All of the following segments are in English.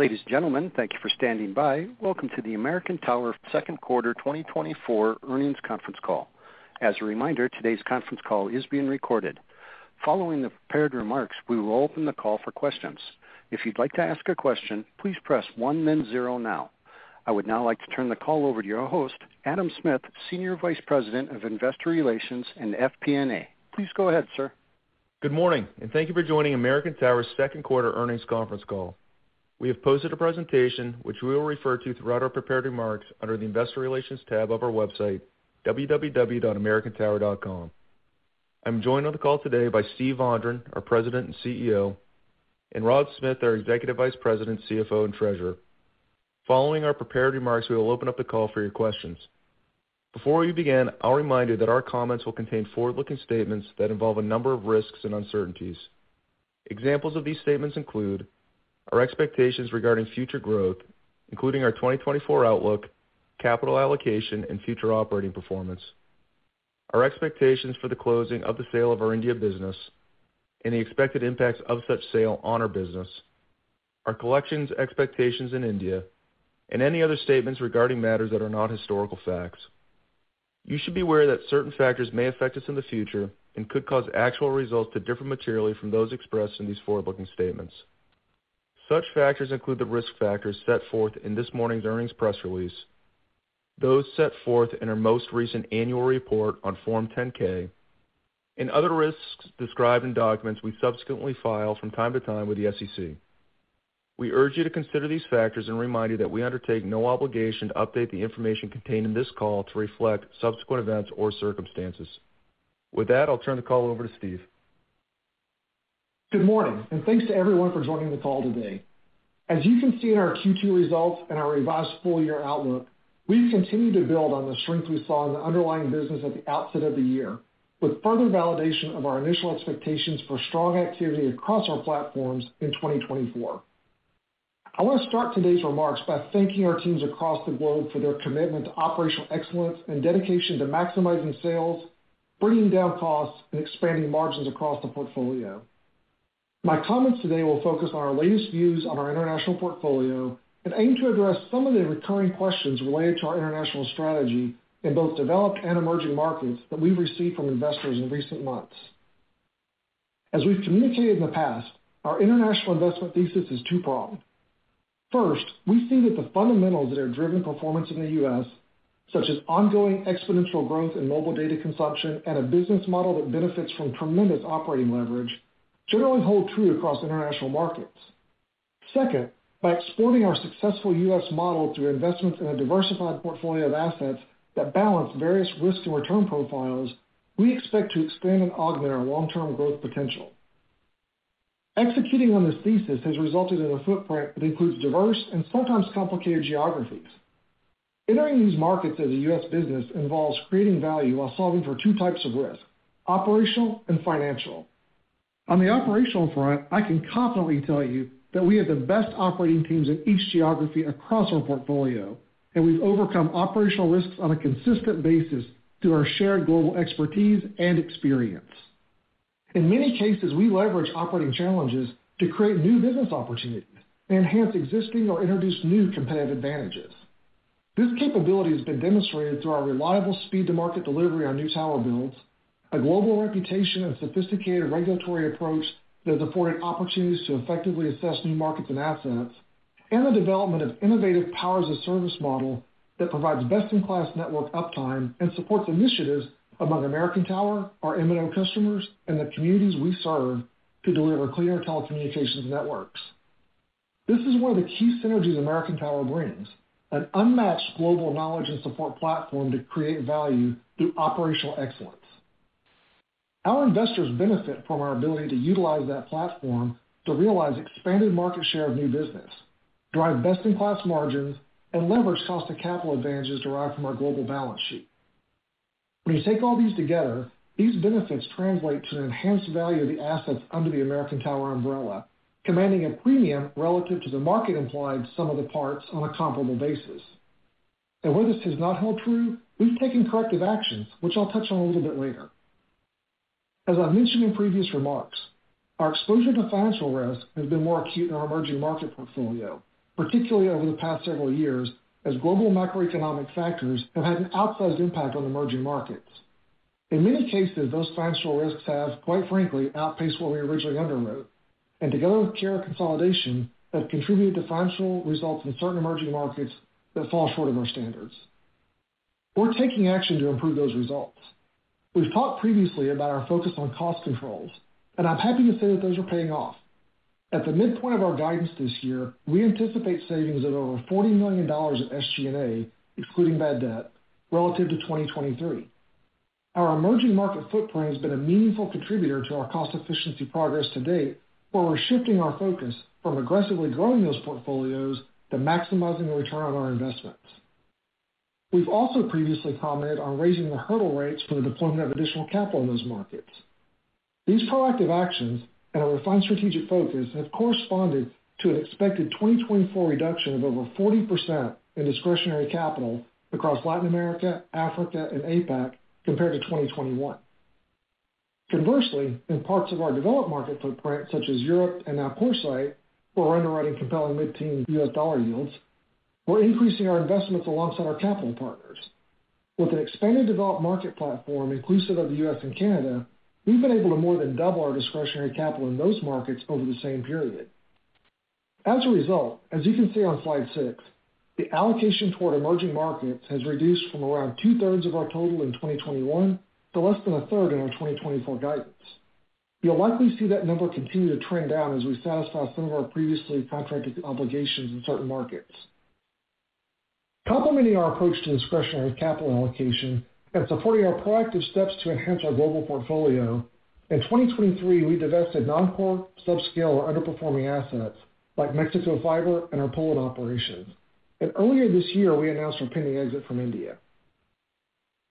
Ladies and gentlemen, thank you for standing by. Welcome to the American Tower second quarter 2024 earnings conference call. As a reminder, today's conference call is being recorded. Following the prepared remarks, we will open the call for questions. If you'd like to ask a question, please press one, then zero now. I would now like to turn the call over to your host, Adam Smith, Senior Vice President of Investor Relations and FP&A. Please go ahead, sir. Good morning, and thank you for joining American Tower's second quarter earnings conference call. We have posted a presentation which we will refer to throughout our prepared remarks under the Investor Relations tab of our website, www.americantower.com. I'm joined on the call today by Steve Vondran, our President and CEO, and Rod Smith, our Executive Vice President, CFO, and Treasurer. Following our prepared remarks, we will open up the call for your questions. Before we begin, I'll remind you that our comments will contain forward-looking statements that involve a number of risks and uncertainties. Examples of these statements include our expectations regarding future growth, including our 2024 outlook, capital allocation, and future operating performance, our expectations for the closing of the sale of our India business, and the expected impacts of such sale on our business, our collections expectations in India, and any other statements regarding matters that are not historical facts. You should be aware that certain factors may affect us in the future and could cause actual results to differ materially from those expressed in these forward-looking statements. Such factors include the risk factors set forth in this morning's earnings press release, those set forth in our most recent annual report on Form 10-K, and other risks described in documents we subsequently file from time to time with the SEC. We urge you to consider these factors and remind you that we undertake no obligation to update the information contained in this call to reflect subsequent events or circumstances. With that, I'll turn the call over to Steve. Good morning, and thanks to everyone for joining the call today. As you can see in our Q2 results and our revised full-year outlook, we've continued to build on the strength we saw in the underlying business at the outset of the year, with further validation of our initial expectations for strong activity across our platforms in 2024. I want to start today's remarks by thanking our teams across the globe for their commitment to operational excellence and dedication to maximizing sales, bringing down costs, and expanding margins across the portfolio. My comments today will focus on our latest views on our international portfolio and aim to address some of the recurring questions related to our international strategy in both developed and emerging markets that we've received from investors in recent months. As we've communicated in the past, our international investment thesis is two-pronged. First, we see that the fundamentals that have driven performance in the U.S., such as ongoing exponential growth in mobile data consumption and a business model that benefits from tremendous operating leverage, generally hold true across international markets. Second, by exporting our successful U.S. model through investments in a diversified portfolio of assets that balance various risk and return profiles, we expect to expand and augment our long-term growth potential. Executing on this thesis has resulted in a footprint that includes diverse and sometimes complicated geographies. Entering these markets as a U.S. business involves creating value while solving for two types of risk: operational and financial. On the operational front, I can confidently tell you that we have the best operating teams in each geography across our portfolio, and we've overcome operational risks on a consistent basis through our shared global expertise and experience. In many cases, we leverage operating challenges to create new business opportunities and enhance existing or introduce new competitive advantages. This capability has been demonstrated through our reliable speed-to-market delivery on new tower builds, a global reputation and sophisticated regulatory approach that has afforded opportunities to effectively assess new markets and assets, and the development of innovative power-as-a-service models that provide best-in-class network uptime and support initiatives among American Tower, our MNO customers, and the communities we serve to deliver cleaner telecommunications networks. This is one of the key synergies American Tower brings: an unmatched global knowledge and support platform to create value through operational excellence. Our investors benefit from our ability to utilize that platform to realize expanded market share of new business, drive best-in-class margins, and leverage cost of capital advantages derived from our global balance sheet. When you take all these together, these benefits translate to an enhanced value of the assets under the American Tower umbrella, commanding a premium relative to the market-implied sum of the parts on a comparable basis. Where this has not held true, we've taken corrective actions, which I'll touch on a little bit later. As I've mentioned in previous remarks, our exposure to financial risk has been more acute in our emerging market portfolio, particularly over the past several years as global macroeconomic factors have had an outsized impact on emerging markets. In many cases, those financial risks have, quite frankly, outpaced what we originally underwrote, and together with carrier consolidation, have contributed to financial results in certain emerging markets that fall short of our standards. We're taking action to improve those results. We've talked previously about our focus on cost controls, and I'm happy to say that those are paying off. At the midpoint of our guidance this year, we anticipate savings of over $40 million in SG&A, excluding bad debt, relative to 2023. Our emerging market footprint has been a meaningful contributor to our cost-efficiency progress to date, where we're shifting our focus from aggressively growing those portfolios to maximizing the return on our investments. We've also previously commented on raising the hurdle rates for the deployment of additional capital in those markets. These proactive actions and a refined strategic focus have corresponded to an expected 2024 reduction of over 40% in discretionary capital across Latin America, Africa, and APAC compared to 2021. Conversely, in parts of our developed market footprint, such as Europe and now CoreSite, where we're underwriting compelling mid-teen U.S. dollar yields, we're increasing our investments alongside our capital partners. With an expanded developed market platform inclusive of the U.S. and Canada, we've been able to more than double our discretionary capital in those markets over the same period. As a result, as you can see on slide 6, the allocation toward emerging markets has reduced from around two-thirds of our total in 2021 to less than a third in our 2024 guidance. You'll likely see that number continue to trend down as we satisfy some of our previously contracted obligations in certain markets. Complementing our approach to discretionary capital allocation and supporting our proactive steps to enhance our global portfolio, in 2023, we divested non-core, subscale, or underperforming assets like Mexico fiber and our Poland operations. Earlier this year, we announced our pending exit from India.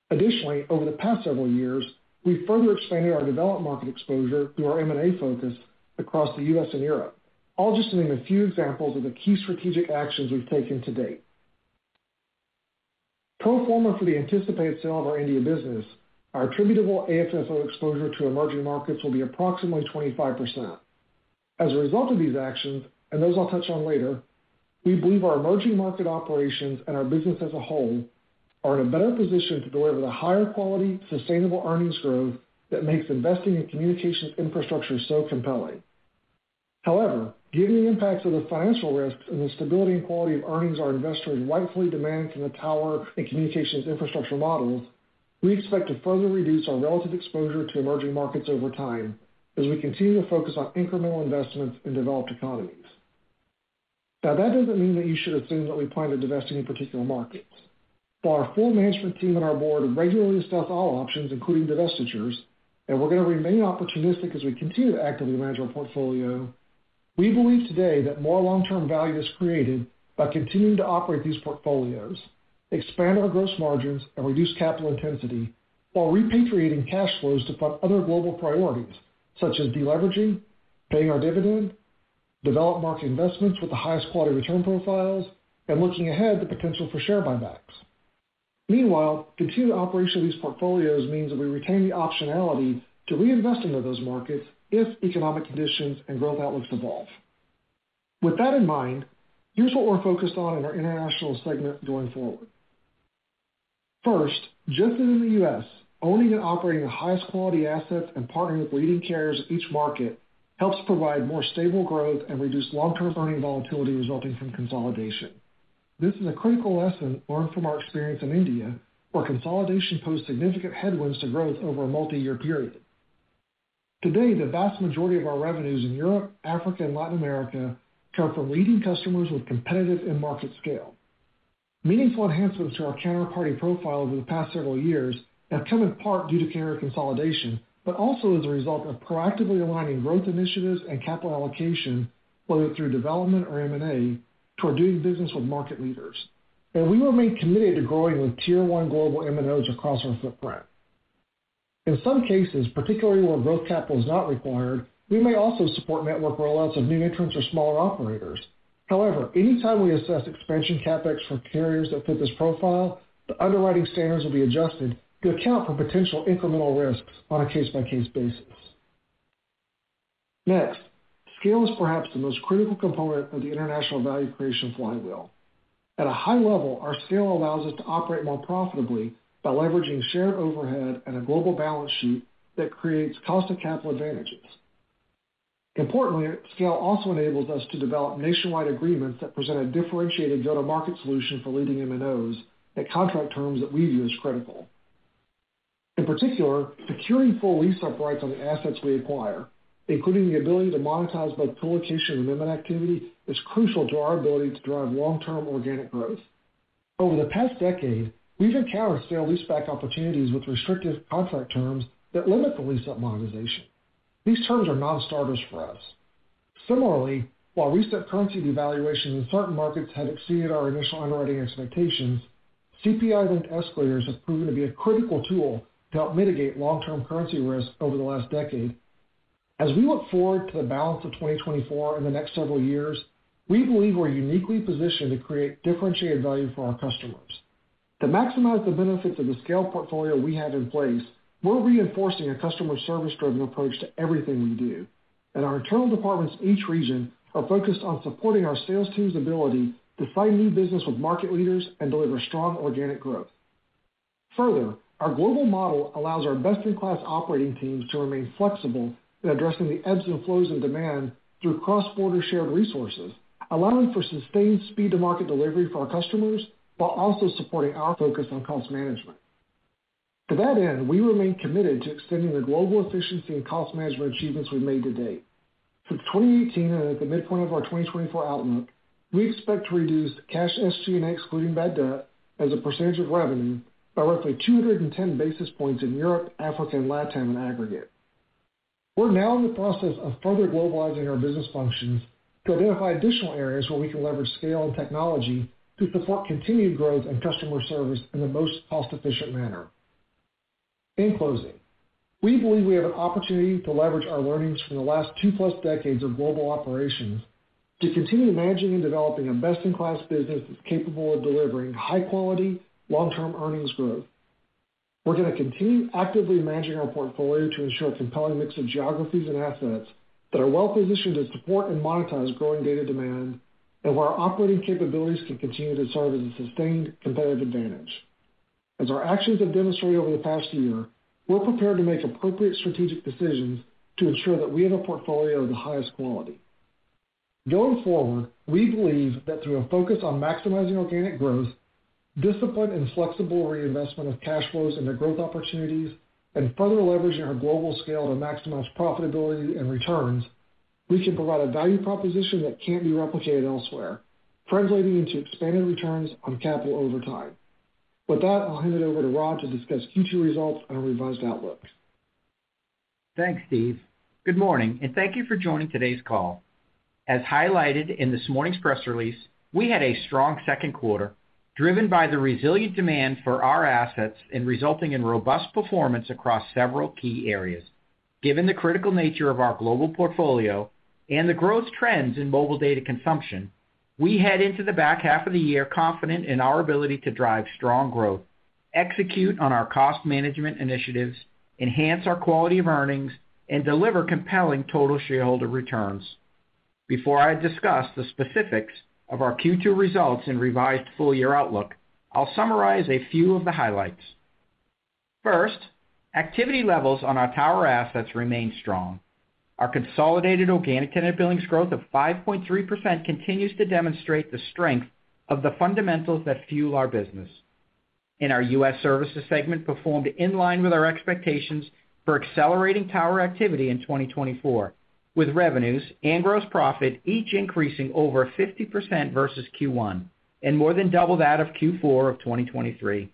Additionally, over the past several years, we've further expanded our developed market exposure through our M&A focus across the U.S. and Europe, all just to name a few examples of the key strategic actions we've taken to date. Pro forma for the anticipated sale of our India business, our attributable AFFO exposure to emerging markets will be approximately 25%. As a result of these actions, and those I'll touch on later, we believe our emerging market operations and our business as a whole are in a better position to deliver the higher quality, sustainable earnings growth that makes investing in communications infrastructure so compelling. However, given the impacts of the financial risks and the stability and quality of earnings our investors rightfully demand from the tower and communications infrastructure models, we expect to further reduce our relative exposure to emerging markets over time as we continue to focus on incremental investments in developed economies. Now, that doesn't mean that you should assume that we plan to divest any particular markets. While our full management team and our board regularly assess all options, including divestitures, and we're going to remain opportunistic as we continue to actively manage our portfolio, we believe today that more long-term value is created by continuing to operate these portfolios, expand our gross margins, and reduce capital intensity while repatriating cash flows to fund other global priorities, such as deleveraging, paying our dividend, developed market investments with the highest quality return profiles, and looking ahead to potential for share buybacks. Meanwhile, continued operation of these portfolios means that we retain the optionality to reinvest into those markets if economic conditions and growth outlooks evolve. With that in mind, here's what we're focused on in our international segment going forward. First, just as in the U.S., owning and operating the highest quality assets and partnering with leading carriers in each market helps provide more stable growth and reduce long-term earnings volatility resulting from consolidation. This is a critical lesson learned from our experience in India, where consolidation posed significant headwinds to growth over a multi-year period. Today, the vast majority of our revenues in Europe, Africa, and Latin America come from leading customers with competitive in-market scale. Meaningful enhancements to our counterparty profile over the past several years have come in part due to carrier consolidation, but also as a result of proactively aligning growth initiatives and capital allocation, whether through development or M&A, toward doing business with market leaders. We remain committed to growing with tier-one global MNOs across our footprint. In some cases, particularly where growth capital is not required, we may also support network rollouts of new entrants or smaller operators. However, anytime we assess expansion CapEx for carriers that fit this profile, the underwriting standards will be adjusted to account for potential incremental risks on a case-by-case basis. Next, scale is perhaps the most critical component of the international value creation flywheel. At a high level, our scale allows us to operate more profitably by leveraging shared overhead and a global balance sheet that creates cost to capital advantages. Importantly, scale also enables us to develop nationwide agreements that present a differentiated go-to-market solution for leading MNOs at contract terms that we view as critical. In particular, securing full lease-up rights on the assets we acquire, including the ability to monetize both colocation and M&A activity, is crucial to our ability to drive long-term organic growth. Over the past decade, we've encountered fair lease-back opportunities with restrictive contract terms that limit the lease-up monetization. These terms are non-starters for us. Similarly, while recent currency devaluations in certain markets have exceeded our initial underwriting expectations, CPI-linked escalators have proven to be a critical tool to help mitigate long-term currency risk over the last decade. As we look forward to the balance of 2024 and the next several years, we believe we're uniquely positioned to create differentiated value for our customers. To maximize the benefits of the scale portfolio we have in place, we're reinforcing a customer service-driven approach to everything we do, and our internal departments in each region are focused on supporting our sales team's ability to sign new business with market leaders and deliver strong organic growth. Further, our global model allows our best-in-class operating teams to remain flexible in addressing the ebbs and flows in demand through cross-border shared resources, allowing for sustained speed-to-market delivery for our customers while also supporting our focus on cost management. To that end, we remain committed to extending the global efficiency and cost management achievements we've made to date. Since 2018 and at the midpoint of our 2024 outlook, we expect to reduce cash SG&A, excluding bad debt, as a percentage of revenue by roughly 210 basis points in Europe, Africa, and Latin America in aggregate. We're now in the process of further globalizing our business functions to identify additional areas where we can leverage scale and technology to support continued growth and customer service in the most cost-efficient manner. In closing, we believe we have an opportunity to leverage our learnings from the last two-plus decades of global operations to continue managing and developing a best-in-class business that's capable of delivering high-quality, long-term earnings growth. We're going to continue actively managing our portfolio to ensure a compelling mix of geographies and assets that are well-positioned to support and monetize growing data demand, and where our operating capabilities can continue to serve as a sustained competitive advantage. As our actions have demonstrated over the past year, we're prepared to make appropriate strategic decisions to ensure that we have a portfolio of the highest quality. Going forward, we believe that through a focus on maximizing organic growth, disciplined and flexible reinvestment of cash flows into growth opportunities, and further leveraging our global scale to maximize profitability and returns, we can provide a value proposition that can't be replicated elsewhere, translating into expanded returns on capital over time. With that, I'll hand it over to Rod to discuss future results and our revised outlook. Thanks, Steve. Good morning, and thank you for joining today's call. As highlighted in this morning's press release, we had a strong second quarter driven by the resilient demand for our assets and resulting in robust performance across several key areas. Given the critical nature of our global portfolio and the growth trends in mobile data consumption, we head into the back half of the year confident in our ability to drive strong growth, execute on our cost management initiatives, enhance our quality of earnings, and deliver compelling total shareholder returns. Before I discuss the specifics of our Q2 results and revised full-year outlook, I'll summarize a few of the highlights. First, activity levels on our tower assets remain strong. Our consolidated organic tenant billings growth of 5.3% continues to demonstrate the strength of the fundamentals that fuel our business. In our U.S. Services segment, we performed in line with our expectations for accelerating tower activity in 2024, with revenues and gross profit each increasing over 50% versus Q1 and more than double that of Q4 of 2023.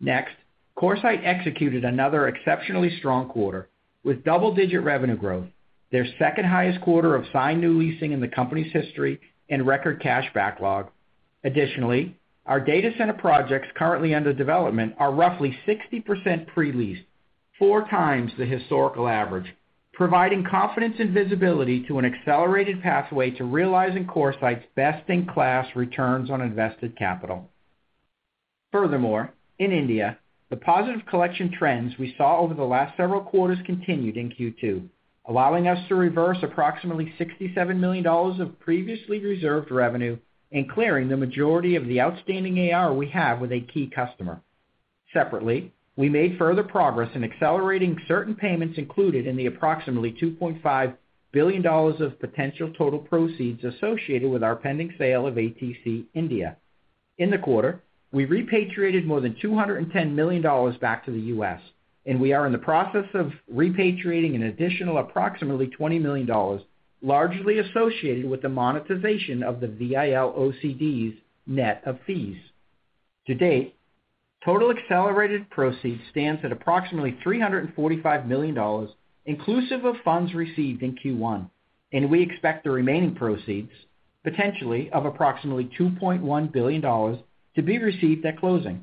Next, CoreSite executed another exceptionally strong quarter with double-digit revenue growth, their second-highest quarter of signed new leasing in the company's history and record cash backlog. Additionally, our data center projects currently under development are roughly 60% pre-leased, four times the historical average, providing confidence and visibility to an accelerated pathway to realizing CoreSite's best-in-class return on invested capital. Furthermore, in India, the positive collection trends we saw over the last several quarters continued in Q2, allowing us to reverse approximately $67 million of previously reserved revenue and clearing the majority of the outstanding AR we have with a key customer. Separately, we made further progress in accelerating certain payments included in the approximately $2.5 billion of potential total proceeds associated with our pending sale of ATC India. In the quarter, we repatriated more than $210 million back to the U.S., and we are in the process of repatriating an additional approximately $20 million, largely associated with the monetization of the VIL OCDs net of fees. To date, total accelerated proceeds stand at approximately $345 million, inclusive of funds received in Q1, and we expect the remaining proceeds, potentially of approximately $2.1 billion, to be received at closing.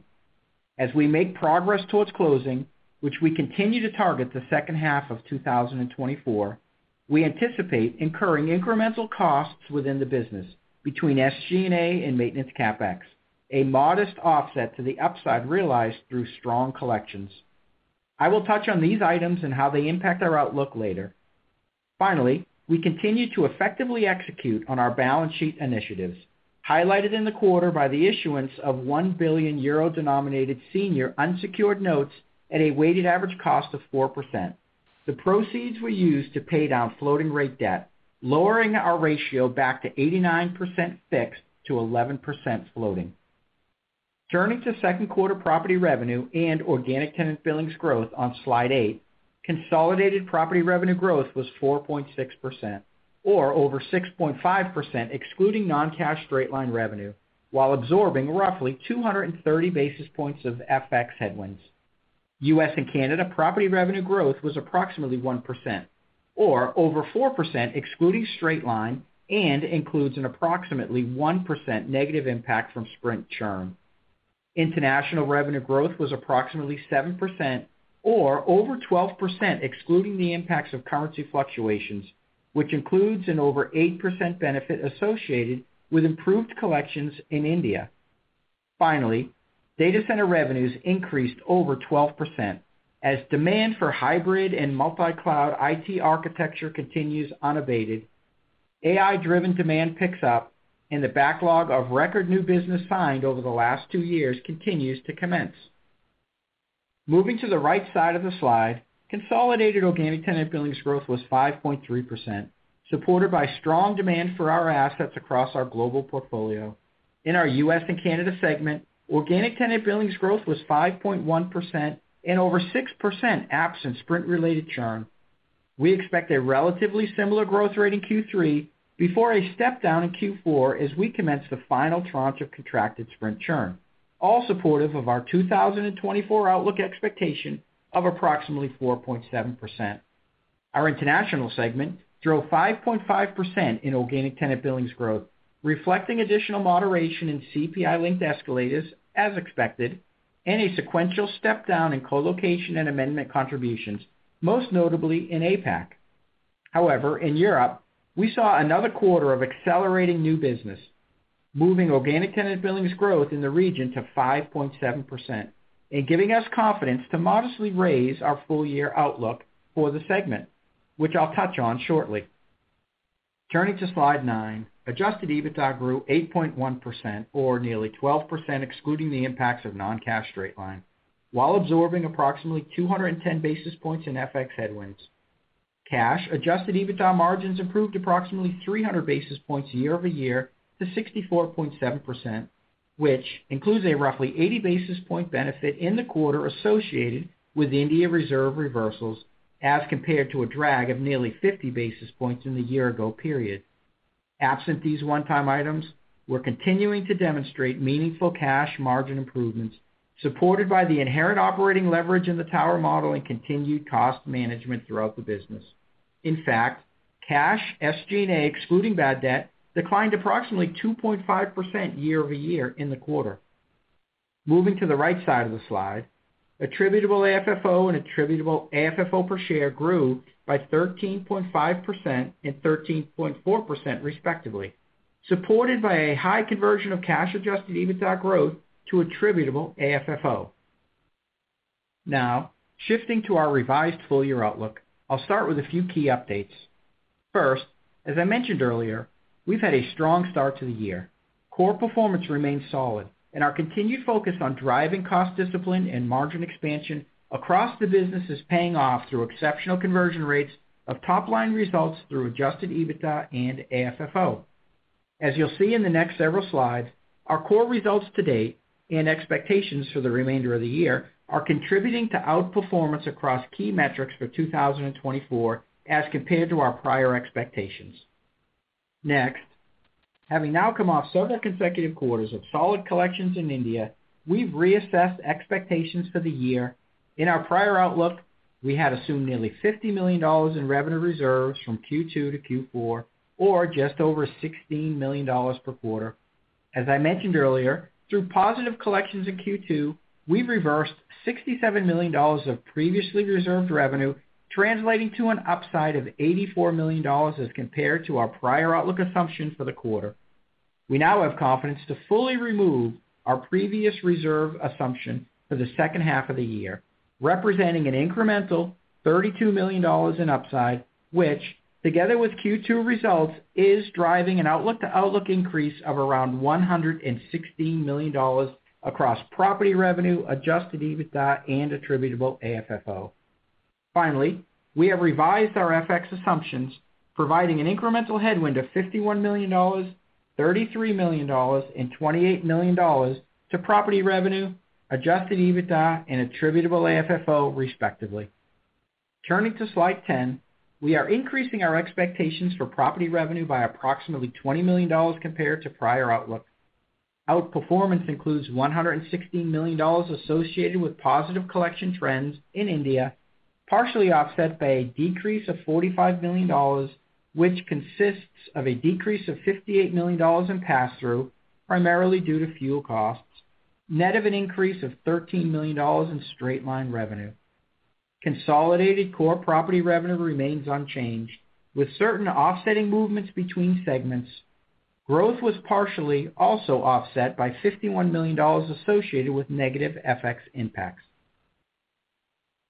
As we make progress towards closing, which we continue to target the second half of 2024, we anticipate incurring incremental costs within the business between SG&A and maintenance CapEx, a modest offset to the upside realized through strong collections. I will touch on these items and how they impact our outlook later. Finally, we continue to effectively execute on our balance sheet initiatives, highlighted in the quarter by the issuance of 1 billion euro denominated senior unsecured notes at a weighted average cost of 4%. The proceeds were used to pay down floating-rate debt, lowering our ratio back to 89% fixed to 11% floating. Turning to second quarter property revenue and organic tenant billings growth on slide 8, consolidated property revenue growth was 4.6%, or over 6.5% excluding non-cash straight-line revenue, while absorbing roughly 230 basis points of FX headwinds. U.S. and Canada property revenue growth was approximately 1%, or over 4% excluding straight-line, and includes an approximately 1% negative impact from Sprint churn. International revenue growth was approximately 7%, or over 12% excluding the impacts of currency fluctuations, which includes an over 8% benefit associated with improved collections in India. Finally, data center revenues increased over 12% as demand for hybrid and multi-cloud IT architecture continues unabated. AI-driven demand picks up, and the backlog of record new business signed over the last two years continues to commence. Moving to the right side of the slide, consolidated organic tenant billings growth was 5.3%, supported by strong demand for our assets across our global portfolio. In our U.S. and Canada segment, organic tenant billings growth was 5.1% and over 6% absent Sprint-related churn. We expect a relatively similar growth rate in Q3 before a step down in Q4 as we commence the final tranche of contracted Sprint churn, all supportive of our 2024 outlook expectation of approximately 4.7%. Our international segment drove 5.5% in organic tenant billings growth, reflecting additional moderation in CPI-linked escalators as expected, and a sequential step down in colocation and amendment contributions, most notably in APAC. However, in Europe, we saw another quarter of accelerating new business, moving organic tenant billings growth in the region to 5.7% and giving us confidence to modestly raise our full-year outlook for the segment, which I'll touch on shortly. Turning to slide 9, Adjusted EBITDA grew 8.1%, or nearly 12% excluding the impacts of non-cash straight-line, while absorbing approximately 210 basis points in FX headwinds. Cash Adjusted EBITDA margins improved approximately 300 basis points year-over-year to 64.7%, which includes a roughly 80 basis point benefit in the quarter associated with India reserve reversals as compared to a drag of nearly 50 basis points in the year-ago period. Absent these one-time items, we're continuing to demonstrate meaningful cash margin improvements supported by the inherent operating leverage in the tower model and continued cost management throughout the business. In fact, cash SG&A excluding bad debt declined approximately 2.5% year-over-year in the quarter. Moving to the right side of the slide, attributable AFFO and attributable AFFO per share grew by 13.5% and 13.4% respectively, supported by a high conversion of cash adjusted EBITDA growth to attributable AFFO. Now, shifting to our revised full-year outlook, I'll start with a few key updates. First, as I mentioned earlier, we've had a strong start to the year. Core performance remains solid, and our continued focus on driving cost discipline and margin expansion across the business is paying off through exceptional conversion rates of top-line results through adjusted EBITDA and AFFO. As you'll see in the next several slides, our core results to date and expectations for the remainder of the year are contributing to outperformance across key metrics for 2024 as compared to our prior expectations. Next, having now come off several consecutive quarters of solid collections in India, we've reassessed expectations for the year. In our prior outlook, we had assumed nearly $50 million in revenue reserves from Q2-Q4, or just over $16 million per quarter. As I mentioned earlier, through positive collections in Q2, we've reversed $67 million of previously reserved revenue, translating to an upside of $84 million as compared to our prior outlook assumption for the quarter. We now have confidence to fully remove our previous reserve assumption for the second half of the year, representing an incremental $32 million in upside, which, together with Q2 results, is driving an outlook-to-outlook increase of around $116 million across property revenue, Adjusted EBITDA, and Attributable AFFO. Finally, we have revised our FX assumptions, providing an incremental headwind of $51 million, $33 million, and $28 million to property revenue, Adjusted EBITDA, and attributable AFFO, respectively. Turning to slide 10, we are increasing our expectations for property revenue by approximately $20 million compared to prior outlook. Outperformance includes $116 million associated with positive collection trends in India, partially offset by a decrease of $45 million, which consists of a decrease of $58 million in pass-through, primarily due to fuel costs, net of an increase of $13 million in straight-line revenue. Consolidated core property revenue remains unchanged, with certain offsetting movements between segments. Growth was partially also offset by $51 million associated with negative FX impacts.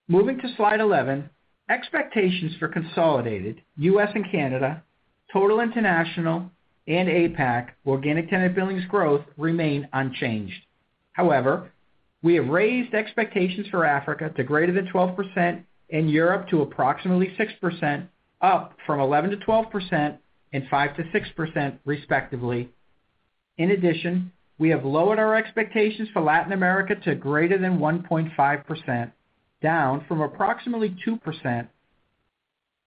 Moving to slide 11, expectations for consolidated U.S. and Canada total international and APAC organic tenant billings growth remain unchanged. However, we have raised expectations for Africa to greater than 12% and Europe to approximately 6%, up from 11%-12% and 5%-6%, respectively. In addition, we have lowered our expectations for Latin America to greater than 1.5%, down from approximately 2%.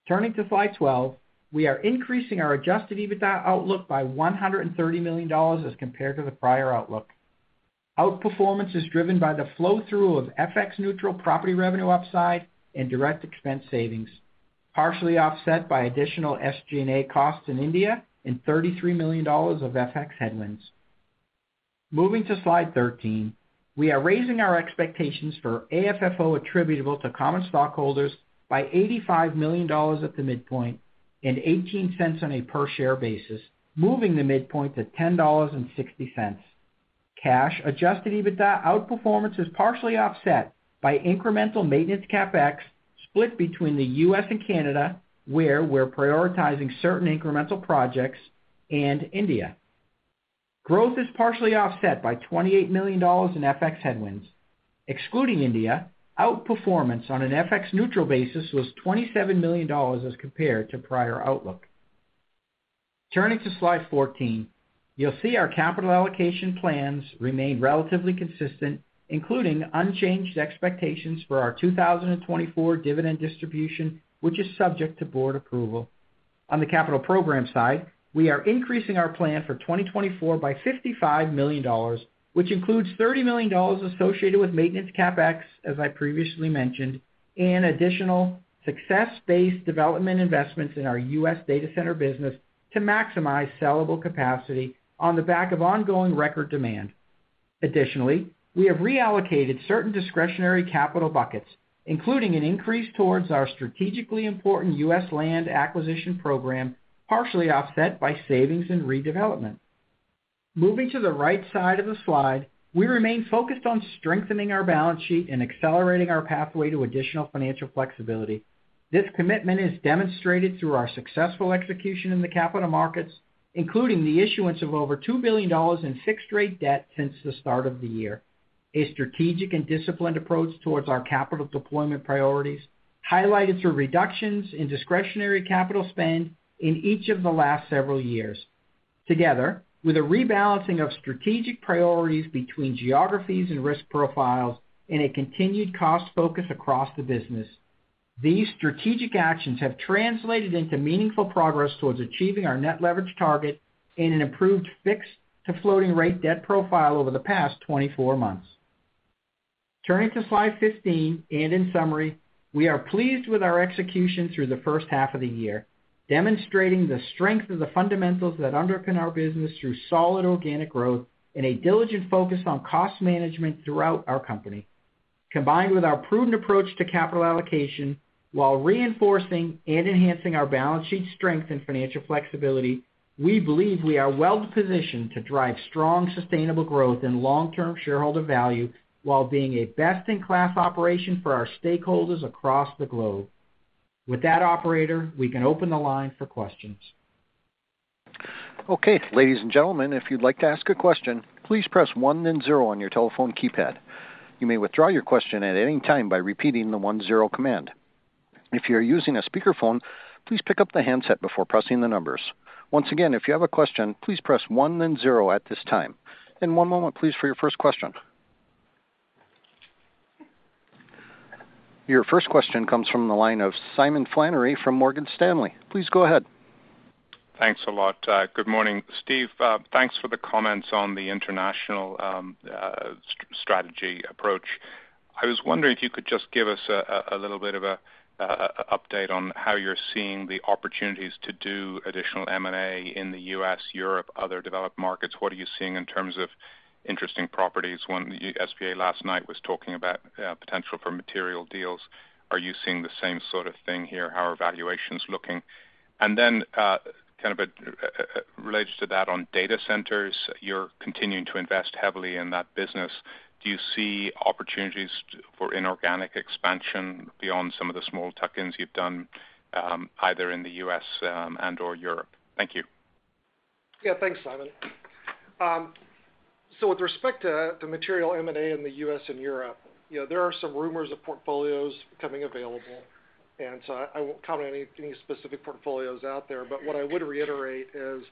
Turning to slide 12, we are increasing our Adjusted EBITDA outlook by $130 million as compared to the prior outlook. Outperformance is driven by the flow-through of FX-neutral property revenue upside and direct expense savings, partially offset by additional SG&A costs in India and $33 million of FX headwinds. Moving to slide 13, we are raising our expectations for AFFO attributable to common stockholders by $85 million at the midpoint and $0.18 on a per-share basis, moving the midpoint to $10.60. Cash Adjusted EBITDA outperformance is partially offset by incremental maintenance CapEx split between the U.S. and Canada, where we're prioritizing certain incremental projects, and India. Growth is partially offset by $28 million in FX headwinds. Excluding India, outperformance on an FX-neutral basis was $27 million as compared to prior outlook. Turning to slide 14, you'll see our capital allocation plans remain relatively consistent, including unchanged expectations for our 2024 dividend distribution, which is subject to board approval. On the capital program side, we are increasing our plan for 2024 by $55 million, which includes $30 million associated with maintenance CapEx, as I previously mentioned, and additional success-based development investments in our U.S. data center business to maximize sellable capacity on the back of ongoing record demand. Additionally, we have reallocated certain discretionary capital buckets, including an increase towards our strategically important U.S. land acquisition program, partially offset by savings and redevelopment. Moving to the right side of the slide, we remain focused on strengthening our balance sheet and accelerating our pathway to additional financial flexibility. This commitment is demonstrated through our successful execution in the capital markets, including the issuance of over $2 billion in fixed-rate debt since the start of the year. A strategic and disciplined approach towards our capital deployment priorities highlighted reductions in discretionary capital spend in each of the last several years. Together, with a rebalancing of strategic priorities between geographies and risk profiles and a continued cost focus across the business, these strategic actions have translated into meaningful progress towards achieving our net leverage target and an improved fixed-to-floating-rate debt profile over the past 24 months. Turning to slide 15 and in summary, we are pleased with our execution through the first half of the year, demonstrating the strength of the fundamentals that underpin our business through solid organic growth and a diligent focus on cost management throughout our company. Combined with our prudent approach to capital allocation, while reinforcing and enhancing our balance sheet strength and financial flexibility, we believe we are well-positioned to drive strong, sustainable growth and long-term shareholder value while being a best-in-class operation for our stakeholders across the globe. With that, operator, we can open the line for questions. Okay, ladies and gentlemen, if you'd like to ask a question, please press one then zero on your telephone keypad. You may withdraw your question at any time by repeating the one zero command. If you're using a speakerphone, please pick up the handset before pressing the numbers. Once again, if you have a question, please press one then zero at this time. And one moment, please, for your first question. Your first question comes from the line of Simon Flannery from Morgan Stanley. Please go ahead. Thanks a lot. Good morning, Steve. Thanks for the comments on the international strategy approach. I was wondering if you could just give us a little bit of an update on how you're seeing the opportunities to do additional M&A in the U.S., Europe, other developed markets? What are you seeing in terms of interesting properties? When the SBA last night was talking about potential for material deals, are you seeing the same sort of thing here? How are valuations looking? And then kind of related to that on data centers, you're continuing to invest heavily in that business. Do you see opportunities for inorganic expansion beyond some of the small tuck-ins you've done either in the U.S. and/or Europe? Thank you. Yeah, thanks, Simon. So with respect to the material M&A in the U.S. and Europe, there are some rumors of portfolios becoming available. And so I won't comment on any specific portfolios out there. What I would reiterate is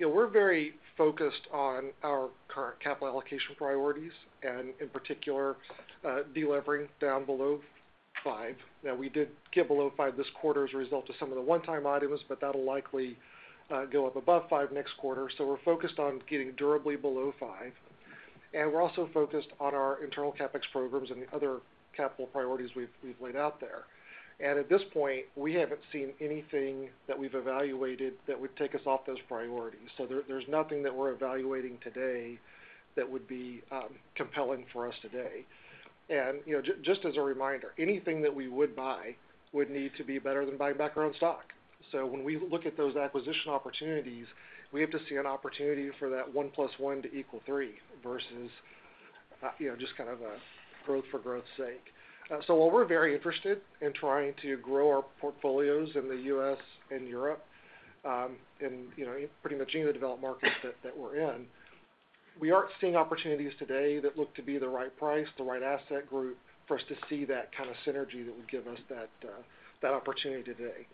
we're very focused on our current capital allocation priorities and, in particular, delivering down below 5. Now, we did get below 5 this quarter as a result of some of the one-time items, but that'll likely go up above 5 next quarter. We're focused on getting durably below 5. We're also focused on our internal CapEx programs and other capital priorities we've laid out there. At this point, we haven't seen anything that we've evaluated that would take us off those priorities. There's nothing that we're evaluating today that would be compelling for us today. Just as a reminder, anything that we would buy would need to be better than buying back our own stock. So when we look at those acquisition opportunities, we have to see an opportunity for that one plus one to equal three versus just kind of growth for growth's sake. So while we're very interested in trying to grow our portfolios in the U.S. and Europe and pretty much any of the developed markets that we're in, we aren't seeing opportunities today that look to be the right price, the right asset group for us to see that kind of synergy that would give us that opportunity today.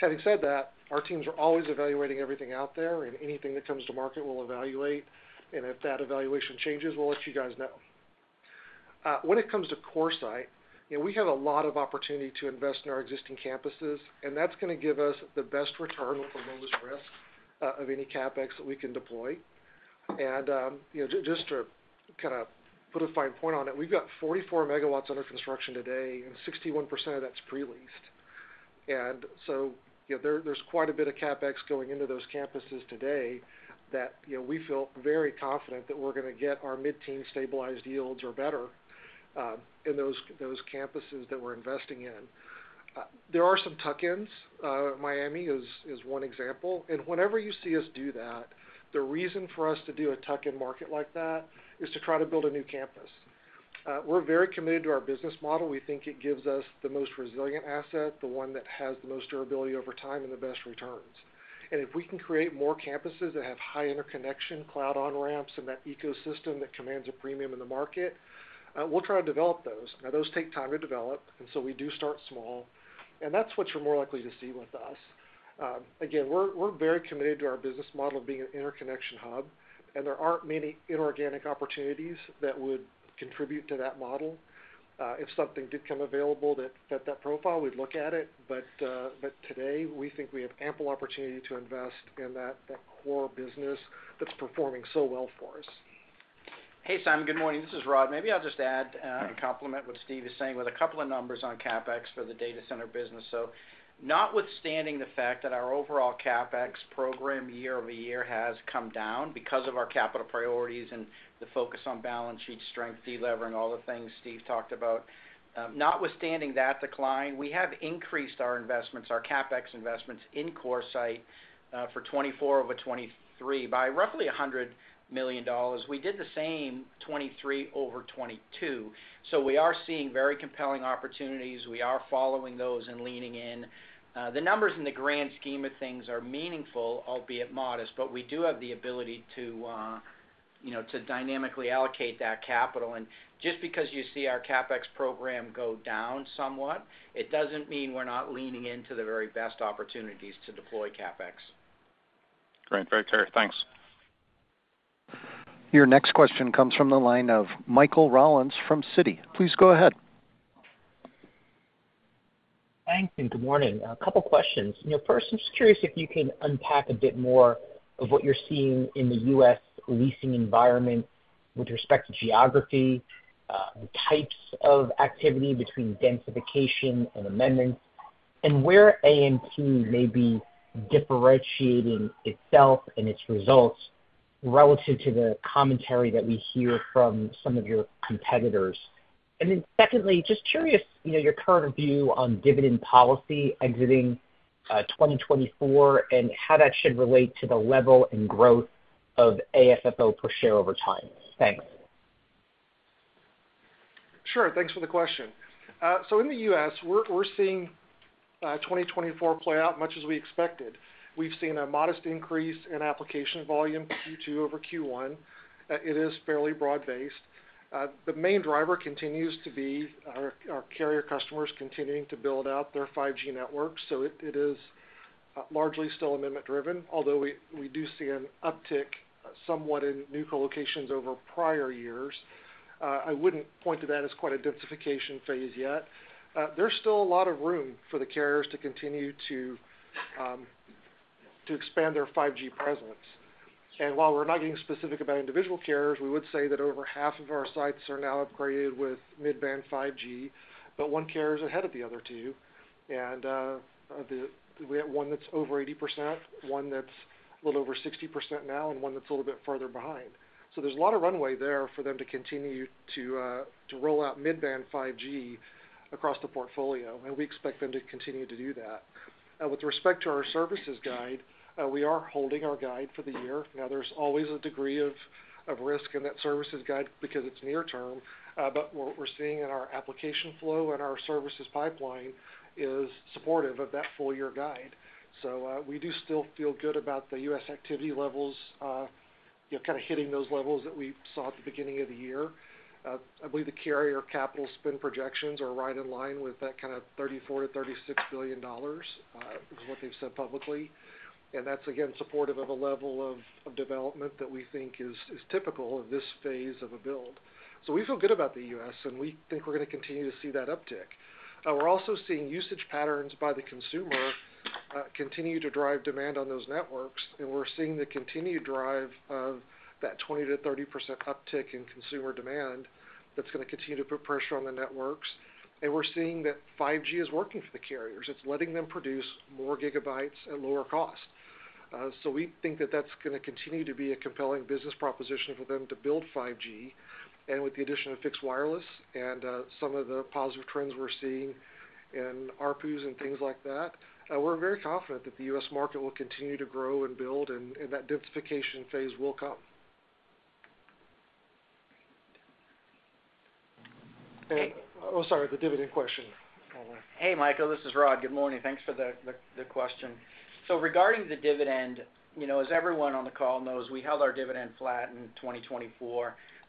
Having said that, our teams are always evaluating everything out there, and anything that comes to market we'll evaluate. And if that evaluation changes, we'll let you guys know. When it comes to CoreSite, we have a lot of opportunity to invest in our existing campuses, and that's going to give us the best return with the lowest risk of any CapEx that we can deploy. Just to kind of put a fine point on it, we've got 44 MW under construction today, and 61% of that's pre-leased. So there's quite a bit of CapEx going into those campuses today that we feel very confident that we're going to get our mid-teens stabilized yields or better in those campuses that we're investing in. There are some tuck-ins. Miami is one example. Whenever you see us do that, the reason for us to do a tuck-in market like that is to try to build a new campus. We're very committed to our business model. We think it gives us the most resilient asset, the one that has the most durability over time and the best returns. And if we can create more campuses that have high interconnection, cloud on-ramps, and that ecosystem that commands a premium in the market, we'll try to develop those. Now, those take time to develop, and so we do start small. And that's what you're more likely to see with us. Again, we're very committed to our business model of being an interconnection hub, and there aren't many inorganic opportunities that would contribute to that model. If something did come available that fit that profile, we'd look at it. But today, we think we have ample opportunity to invest in that core business that's performing so well for us. Hey, Simon, good morning. This is Rod. Maybe I'll just add and complement what Steve is saying with a couple of numbers on CapEx for the data center business. So notwithstanding the fact that our overall CapEx program year-over-year has come down because of our capital priorities and the focus on balance sheet strength, delivering all the things Steve talked about, notwithstanding that decline, we have increased our investments, our CapEx investments in CoreSite for 2024 over 2023 by roughly $100 million. We did the same 2023 over 2022. So we are seeing very compelling opportunities. We are following those and leaning in. The numbers in the grand scheme of things are meaningful, albeit modest, but we do have the ability to dynamically allocate that capital. And just because you see our CapEx program go down somewhat, it doesn't mean we're not leaning into the very best opportunities to deploy CapEx. Great. Very clear. Thanks. Your next question comes from the line of Michael Rollins from Citi. Please go ahead. Thank you. Good morning. A couple of questions. First, I'm just curious if you can unpack a bit more of what you're seeing in the U.S. leasing environment with respect to geography, types of activity between densification and amendments, and where AMT may be differentiating itself and its results relative to the commentary that we hear from some of your competitors. And then secondly, just curious your current view on dividend policy exiting 2024 and how that should relate to the level and growth of AFFO per share over time. Thanks. Sure. Thanks for the question. So in the U.S., we're seeing 2024 play out much as we expected. We've seen a modest increase in application volume Q2 over Q1. It is fairly broad-based. The main driver continues to be our carrier customers continuing to build out their 5G networks. So it is largely still amendment-driven, although we do see an uptick somewhat in new colocations over prior years. I wouldn't point to that as quite a densification phase yet. There's still a lot of room for the carriers to continue to expand their 5G presence. And while we're not getting specific about individual carriers, we would say that over half of our sites are now upgraded with mid-band 5G, but one carrier is ahead of the other two. And we have one that's over 80%, one that's a little over 60% now, and one that's a little bit further behind. So there's a lot of runway there for them to continue to roll out mid-band 5G across the portfolio, and we expect them to continue to do that. With respect to our services guide, we are holding our guide for the year. Now, there's always a degree of risk in that services guide because it's near-term, but what we're seeing in our application flow and our services pipeline is supportive of that full-year guide. So we do still feel good about the U.S. activity levels kind of hitting those levels that we saw at the beginning of the year. I believe the carrier capital spend projections are right in line with that kind of $34 billion-$36 billion is what they've said publicly. And that's, again, supportive of a level of development that we think is typical of this phase of a build. So we feel good about the U.S., and we think we're going to continue to see that uptick. We're also seeing usage patterns by the consumer continue to drive demand on those networks, and we're seeing the continued drive of that 20%-30% uptick in consumer demand that's going to continue to put pressure on the networks. And we're seeing that 5G is working for the carriers. It's letting them produce more GB at lower cost. So we think that that's going to continue to be a compelling business proposition for them to build 5G. And with the addition of fixed wireless and some of the positive trends we're seeing in ARPUs and things like that, we're very confident that the U.S. market will continue to grow and build, and that densification phase will come. Oh, sorry, the dividend question. Hey, Michael, this is Rod. Good morning. Thanks for the question.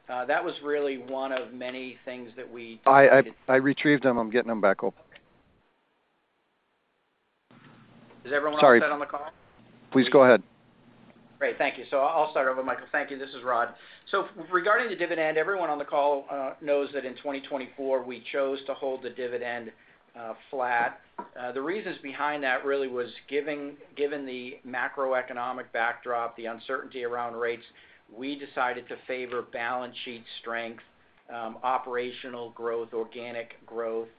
So I'll start over, Michael. Thank you. This is Rod. So regarding the dividend, everyone on the call knows that in 2024, we chose to hold the dividend flat. The reasons behind that really was given the macroeconomic backdrop, the uncertainty around rates, we decided to favor balance sheet strength, operational growth, organic growth.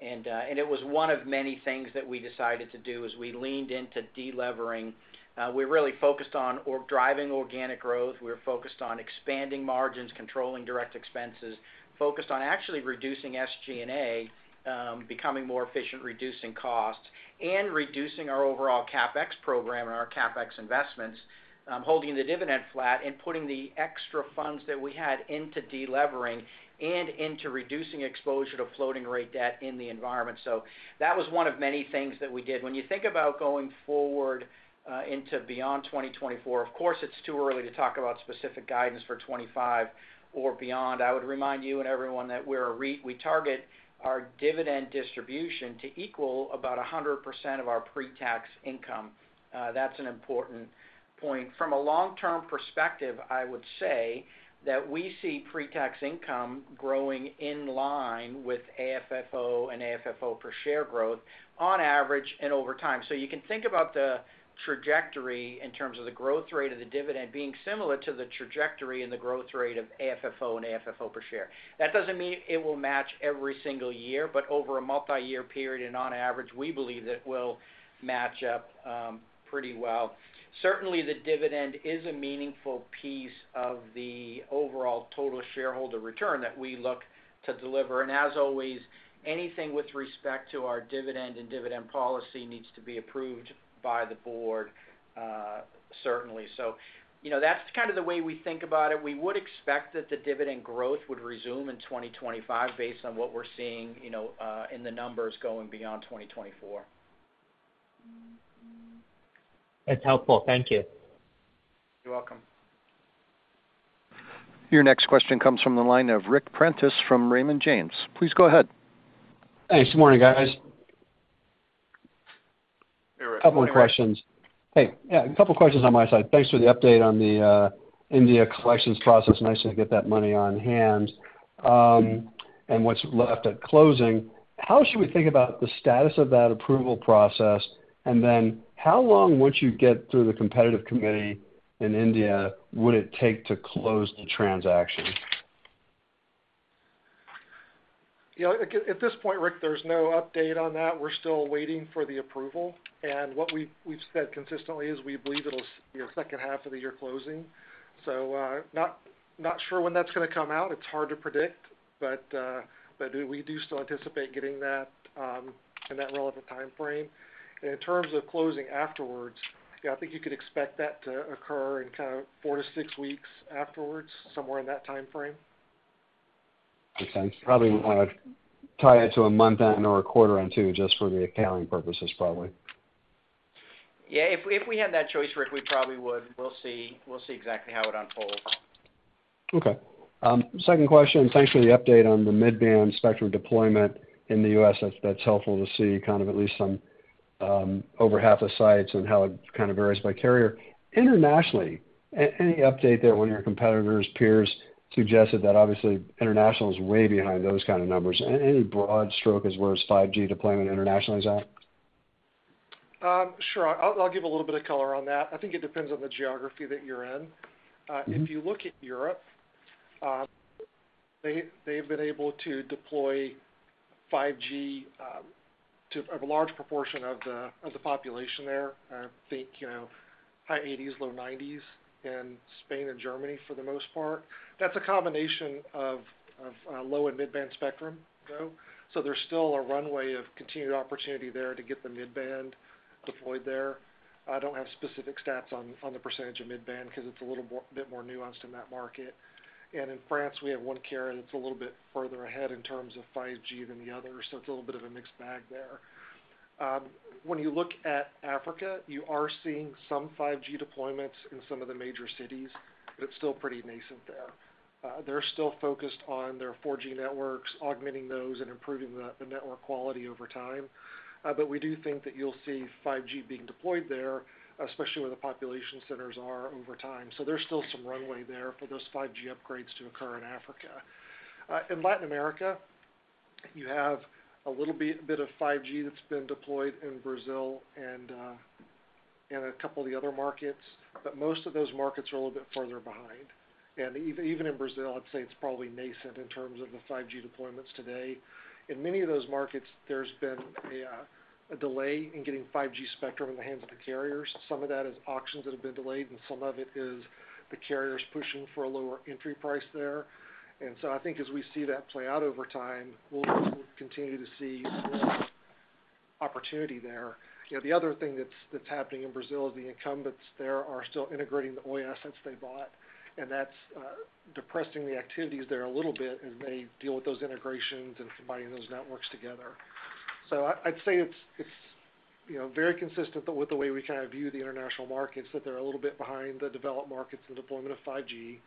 And it was one of many things that we decided to do as we leaned into delivering. We really focused on driving organic growth. We were focused on expanding margins, controlling direct expenses, focused on actually reducing SG&A, becoming more efficient, reducing costs, and reducing our overall CapEx program and our CapEx investments, holding the dividend flat and putting the extra funds that we had into delivering and into reducing exposure to floating rate debt in the environment. So that was one of many things that we did. When you think about going forward into beyond 2024, of course, it's too early to talk about specific guidance for 2025 or beyond. I would remind you and everyone that we target our dividend distribution to equal about 100% of our pre-tax income. That's an important point. From a long-term perspective, I would say that we see pre-tax income growing in line with AFFO and AFFO per share growth on average and over time. So you can think about the trajectory in terms of the growth rate of the dividend being similar to the trajectory and the growth rate of AFFO and AFFO per share. That doesn't mean it will match every single year, but over a multi-year period, and on average, we believe that it will match up pretty well. Certainly, the dividend is a meaningful piece of the overall total shareholder return that we look to deliver. And as always, anything with respect to our dividend and dividend policy needs to be approved by the board, certainly. So that's kind of the way we think about it. We would expect that the dividend growth would resume in 2025 based on what we're seeing in the numbers going beyond 2024. That's helpful. Thank you. You're welcome. Your next question comes from the line of Ric Prentiss from Raymond James. Please go ahead. Hey, good morning, guys. A couple of questions. Hey, yeah, a couple of questions on my side. Thanks for the update on the India collections process. Nice to get that money on hand and what's left at closing. How should we think about the status of that approval process? And then how long, once you get through the Competition Commission in India, would it take to close the transaction? At this point, Ric, there's no update on that. We're still waiting for the approval. And what we've said consistently is we believe it'll be the second half of the year closing. So not sure when that's going to come out. It's hard to predict, but we do still anticipate getting that in that relevant timeframe. And in terms of closing afterwards, yeah, I think you could expect that to occur in kind of 4-6 weeks afterwards, somewhere in that timeframe. Makes sense. Probably tied to a month end or a quarter end too, just for the accounting purposes, probably. Yeah. If we had that choice, Ric, we probably would. We'll see exactly how it unfolds. Okay. Second question. Thanks for the update on the mid-band spectrum deployment in the U.S. That's helpful to see kind of at least some over half the sites and how it kind of varies by carrier. Internationally, any update there when your competitors, peers suggested that obviously international is way behind those kind of numbers? Any broad stroke as whereas 5G deployment internationally is at? Sure. I'll give a little bit of color on that. I think it depends on the geography that you're in. If you look at Europe, they've been able to deploy 5G to a large proportion of the population there. I think high 80s%, low 90s% in Spain and Germany for the most part. That's a combination of low and mid-band spectrum, though. There's still a runway of continued opportunity there to get the mid-band deployed there. I don't have specific stats on the percentage of mid-band because it's a little bit more nuanced in that market. In France, we have one carrier that's a little bit further ahead in terms of 5G than the other. It's a little bit of a mixed bag there. When you look at Africa, you are seeing some 5G deployments in some of the major cities, but it's still pretty nascent there. They're still focused on their 4G networks, augmenting those and improving the network quality over time. But we do think that you'll see 5G being deployed there, especially where the population centers are over time. So there's still some runway there for those 5G upgrades to occur in Africa. In Latin America, you have a little bit of 5G that's been deployed in Brazil and a couple of the other markets, but most of those markets are a little bit further behind. And even in Brazil, I'd say it's probably nascent in terms of the 5G deployments today. In many of those markets, there's been a delay in getting 5G spectrum in the hands of the carriers. Some of that is auctions that have been delayed, and some of it is the carriers pushing for a lower entry price there. And so I think as we see that play out over time, we'll continue to see more opportunity there. The other thing that's happening in Brazil is the incumbents there are still integrating the Oi assets they bought, and that's depressing the activities there a little bit as they deal with those integrations and combining those networks together. So I'd say it's very consistent with the way we kind of view the international markets that they're a little bit behind the developed markets and deployment of 5G.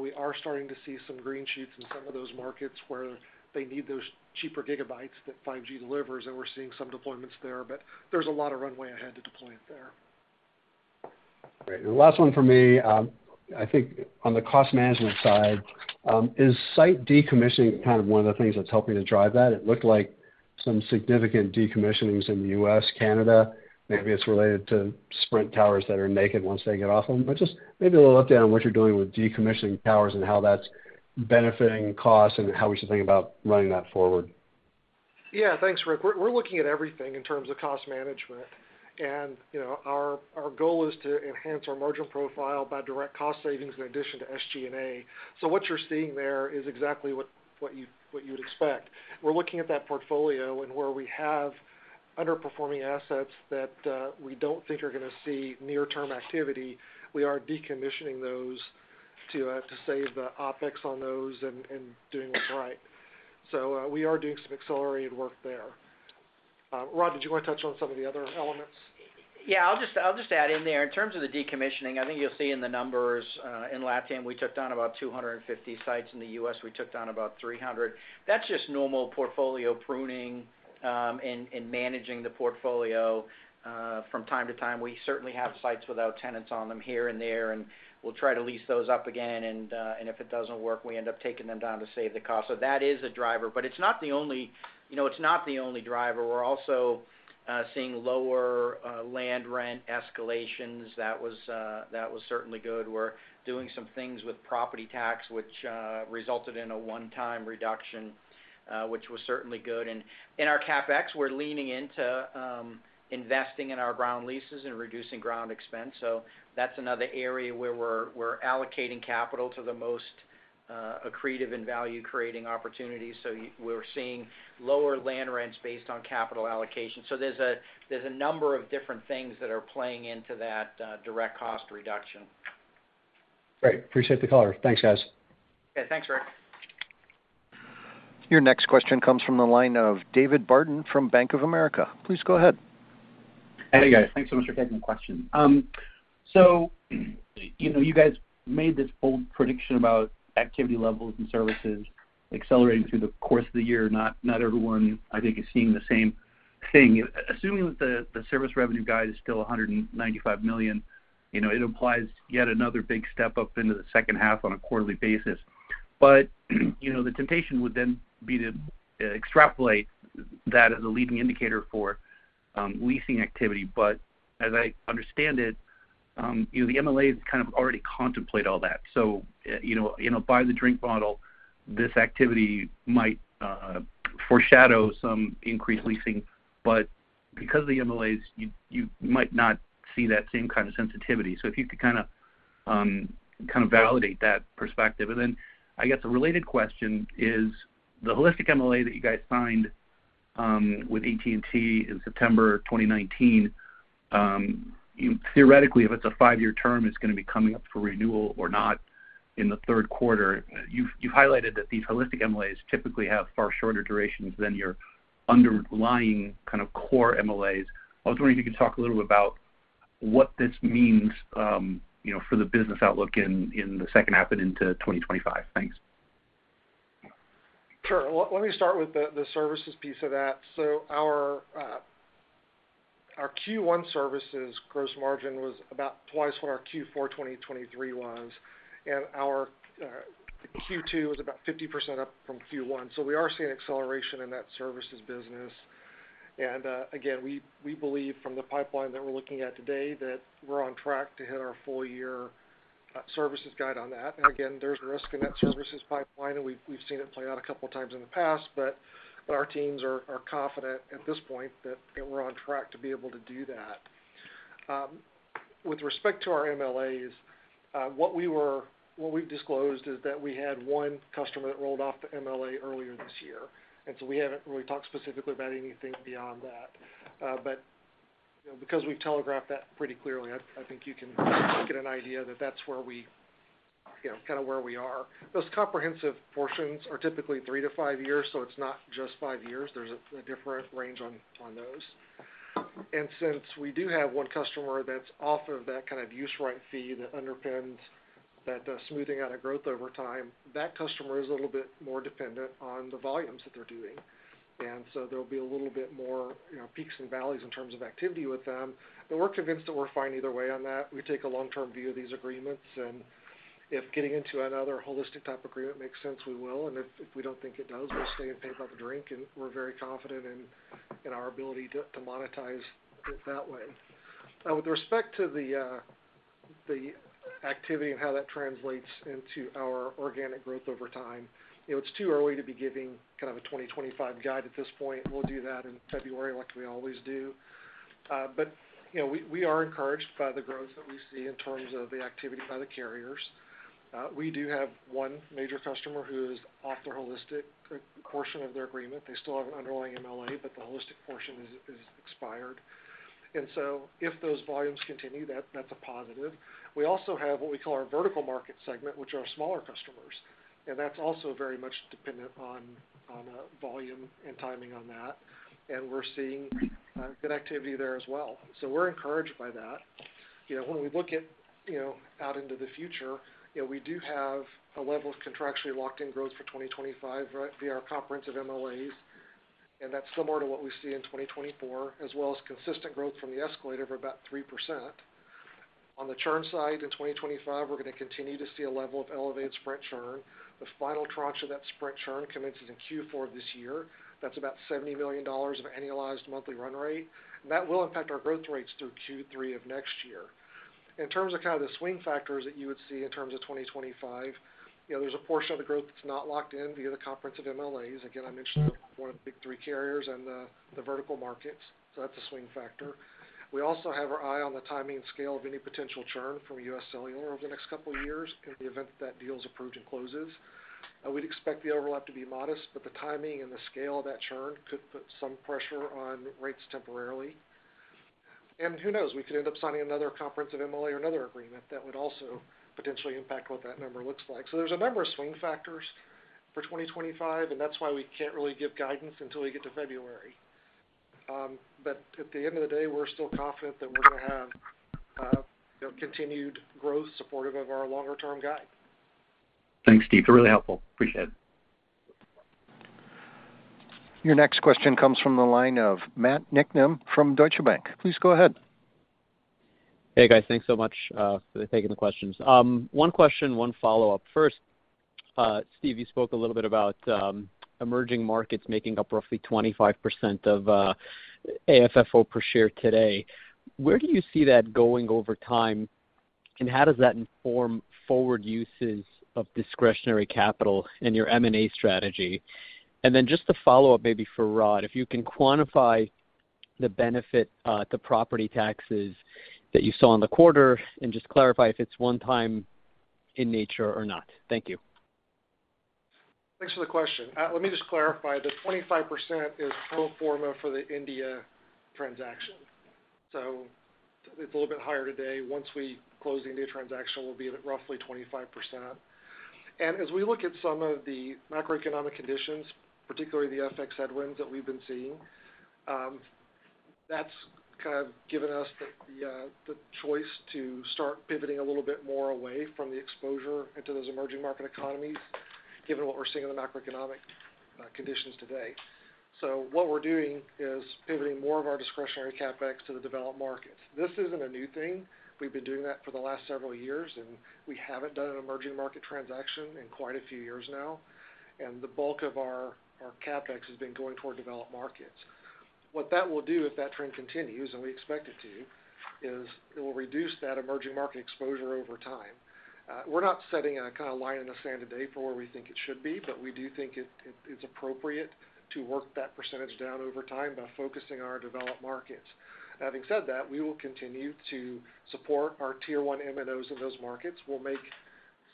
We are starting to see some green shoots in some of those markets where they need those cheaper GB that 5G delivers, and we're seeing some deployments there, but there's a lot of runway ahead to deploy it there. Great. The last one for me, I think on the cost management side, is site decommissioning kind of one of the things that's helping to drive that? It looked like some significant decommissionings in the U.S., Canada. Maybe it's related to Sprint towers that are naked once they get off them. But just maybe a little update on what you're doing with decommissioning towers and how that's benefiting costs and how we should think about running that forward. Yeah. Thanks, Ric. We're looking at everything in terms of cost management. Our goal is to enhance our margin profile by direct cost savings in addition to SG&A. So what you're seeing there is exactly what you would expect. We're looking at that portfolio and where we have underperforming assets that we don't think are going to see near-term activity. We are decommissioning those to save the OpEx on those and doing what's right. So we are doing some accelerated work there. Rod, did you want to touch on some of the other elements? Yeah. I'll just add in there. In terms of the decommissioning, I think you'll see in the numbers in Latin America, we took down about 250 sites in the U.S. We took down about 300. That's just normal portfolio pruning and managing the portfolio from time to time. We certainly have sites without tenants on them here and there, and we'll try to lease those up again. And if it doesn't work, we end up taking them down to save the cost. So that is a driver, but it's not the only driver. We're also seeing lower land rent escalations. That was certainly good. We're doing some things with property tax, which resulted in a one-time reduction, which was certainly good. And in our CapEx, we're leaning into investing in our ground leases and reducing ground expense. So that's another area where we're allocating capital to the most accretive and value-creating opportunities. So we're seeing lower land rents based on capital allocation. So there's a number of different things that are playing into that direct cost reduction. Great. Appreciate the color. Thanks, guys. Okay. Thanks, Ric. Your next question comes from the line of David Barden from Bank of America. Please go ahead. Hey, guys. Thanks so much for taking the question. So you guys made this bold prediction about activity levels and services accelerating through the course of the year. Not everyone, I think, is seeing the same thing. Assuming that the service revenue guide is still $195 million, it implies yet another big step up into the second half on a quarterly basis. But the temptation would then be to extrapolate that as a leading indicator for leasing activity. But as I understand it, the MLAs kind of already contemplate all that. So by the end of the year, this activity might foreshadow some increased leasing, but because of the MLAs, you might not see that same kind of sensitivity. So if you could kind of validate that perspective? And then I guess a related question is the holistic MLA that you guys signed with AT&T in September 2019, theoretically, if it's a five-year term, it's going to be coming up for renewal or not in the third quarter. You've highlighted that these holistic MLAs typically have far shorter durations than your underlying kind of core MLAs. I was wondering if you could talk a little bit about what this means for the business outlook in the second half and into 2025. Thanks. Sure. Let me start with the services piece of that. So our Q1 services gross margin was about twice what our Q4 2023 was, and our Q2 was about 50% up from Q1. So we are seeing acceleration in that services business. And again, we believe from the pipeline that we're looking at today that we're on track to hit our full-year services guide on that. And again, there's risk in that services pipeline, and we've seen it play out a couple of times in the past, but our teams are confident at this point that we're on track to be able to do that. With respect to our MLAs, what we've disclosed is that we had one customer that rolled off the MLA earlier this year. And so we haven't really talked specifically about anything beyond that. But because we've telegraphed that pretty clearly, I think you can get an idea that that's kind of where we are. Those comprehensive portions are typically 3-5 years, so it's not just 5 years. There's a different range on those. And since we do have one customer that's off of that kind of use right fee that underpins that smoothing out of growth over time, that customer is a little bit more dependent on the volumes that they're doing. And so there'll be a little bit more peaks and valleys in terms of activity with them. But we're convinced that we're fine either way on that. We take a long-term view of these agreements, and if getting into another holistic type agreement makes sense, we will. And if we don't think it does, we'll stay and pay by the drink, and we're very confident in our ability to monetize it that way. With respect to the activity and how that translates into our organic growth over time, it's too early to be giving kind of a 2025 guide at this point. We'll do that in February, like we always do. But we are encouraged by the growth that we see in terms of the activity by the carriers. We do have one major customer who is off the holistic portion of their agreement. They still have an underlying MLA, but the holistic portion is expired. And so if those volumes continue, that's a positive. We also have what we call our vertical market segment, which are our smaller customers. And that's also very much dependent on volume and timing on that. And we're seeing good activity there as well. So we're encouraged by that. When we look out into the future, we do have a level of contractually locked-in growth for 2025 via our comprehensive MLAs, and that's similar to what we see in 2024, as well as consistent growth from the escalator of about 3%. On the churn side, in 2025, we're going to continue to see a level of elevated Sprint churn. The final tranche of that Sprint churn commences in Q4 of this year. That's about $70 million of annualized monthly run rate. And that will impact our growth rates through Q3 of next year. In terms of kind of the swing factors that you would see in terms of 2025, there's a portion of the growth that's not locked in via the comprehensive MLAs. Again, I mentioned one of the big three carriers and the vertical markets. So that's a swing factor. We also have our eye on the timing and scale of any potential churn from U.S. Cellular over the next couple of years in the event that that deal is approved and closes. We'd expect the overlap to be modest, but the timing and the scale of that churn could put some pressure on rates temporarily. And who knows? We could end up signing another comprehensive MLA or another agreement that would also potentially impact what that number looks like. So there's a number of swing factors for 2025, and that's why we can't really give guidance until we get to February. But at the end of the day, we're still confident that we're going to have continued growth supportive of our longer-term guide. Thanks, Steve. Really helpful. Appreciate it. Your next question comes from the line of Matt Niknam from Deutsche Bank. Please go ahead. Hey, guys. Thanks so much for taking the questions. One question, one follow-up. First, Steve, you spoke a little bit about emerging markets making up roughly 25% of AFFO per share today. Where do you see that going over time, and how does that inform forward uses of discretionary capital in your M&A strategy? And then just to follow up maybe for Rod, if you can quantify the benefit to property taxes that you saw in the quarter and just clarify if it's one-time in nature or not. Thank you. Thanks for the question. Let me just clarify. The 25% is pro forma for the India transaction. So it's a little bit higher today. Once we close the India transaction, we'll be at roughly 25%. As we look at some of the macroeconomic conditions, particularly the FX headwinds that we've been seeing, that's kind of given us the choice to start pivoting a little bit more away from the exposure into those emerging market economies, given what we're seeing in the macroeconomic conditions today. So what we're doing is pivoting more of our discretionary CapEx to the developed markets. This isn't a new thing. We've been doing that for the last several years, and we haven't done an emerging market transaction in quite a few years now. And the bulk of our CapEx has been going toward developed markets. What that will do if that trend continues, and we expect it to, is it will reduce that emerging market exposure over time. We're not setting a kind of line in the sand today for where we think it should be, but we do think it's appropriate to work that percentage down over time by focusing on our developed markets. Having said that, we will continue to support our tier-one MNOs in those markets. We'll make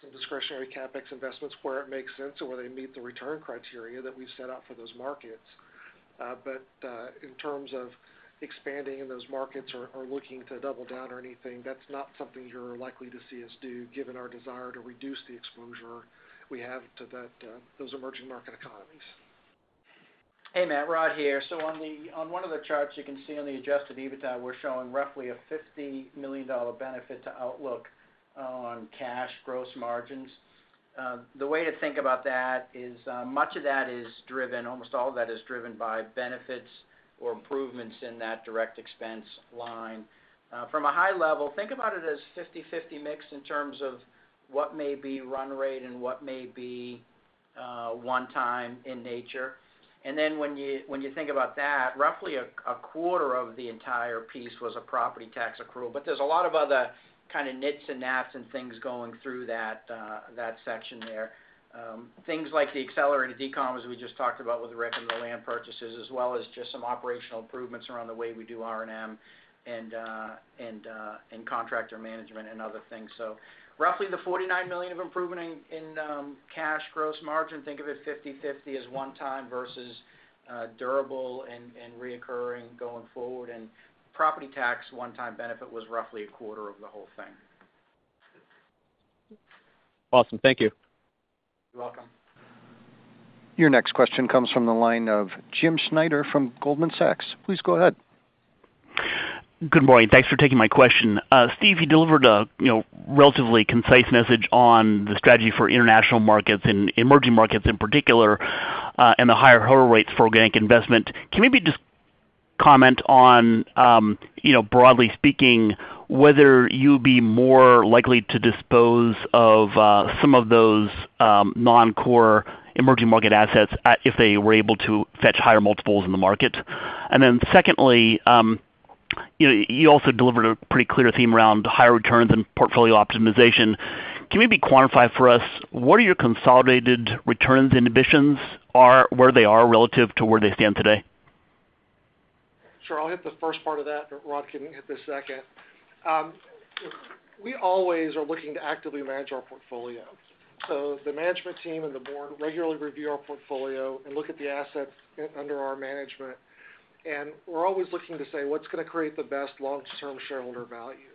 some discretionary CapEx investments where it makes sense and where they meet the return criteria that we've set out for those markets. But in terms of expanding in those markets or looking to double down or anything, that's not something you're likely to see us do, given our desire to reduce the exposure we have to those emerging market economies. Hey, Matt. Rod here. So on one of the charts, you can see on the Adjusted EBITDA, we're showing roughly a $50 million benefit to Outlook on cash gross margins. The way to think about that is much of that is driven, almost all of that is driven, by benefits or improvements in that direct expense line. From a high level, think about it as 50/50 mix in terms of what may be run rate and what may be one-time in nature. Then when you think about that, roughly a quarter of the entire piece was a property tax accrual. But there's a lot of other kind of nits and gnats and things going through that section there. Things like the accelerated decom as we just talked about with Ric and the land purchases, as well as just some operational improvements around the way we do R&M and contractor management and other things. So roughly the $49 million of improvement in cash gross margin, think of it 50/50 as one-time versus durable and recurring going forward Property tax one-time benefit was roughly a quarter of the whole thing. Awesome. Thank you. You're welcome. Your next question comes from the line of Jim Schneider from Goldman Sachs. Please go ahead. Good morning. Thanks for taking my question. Steve, you delivered a relatively concise message on the strategy for international markets and emerging markets in particular and the higher hurdle rates for organic investment. Can you just comment on, broadly speaking, whether you'd be more likely to dispose of some of those non-core emerging market assets if they were able to fetch higher multiples in the market? And then secondly, you also delivered a pretty clear theme around higher returns and portfolio optimization. Can you quantify for us what your consolidated returns are and where they are relative to where they stand today? Sure. I'll hit the first part of that. Rod can hit the second. We always are looking to actively manage our portfolio. So the management team and the board regularly review our portfolio and look at the assets under our management. And we're always looking to say, "What's going to create the best long-term shareholder value?"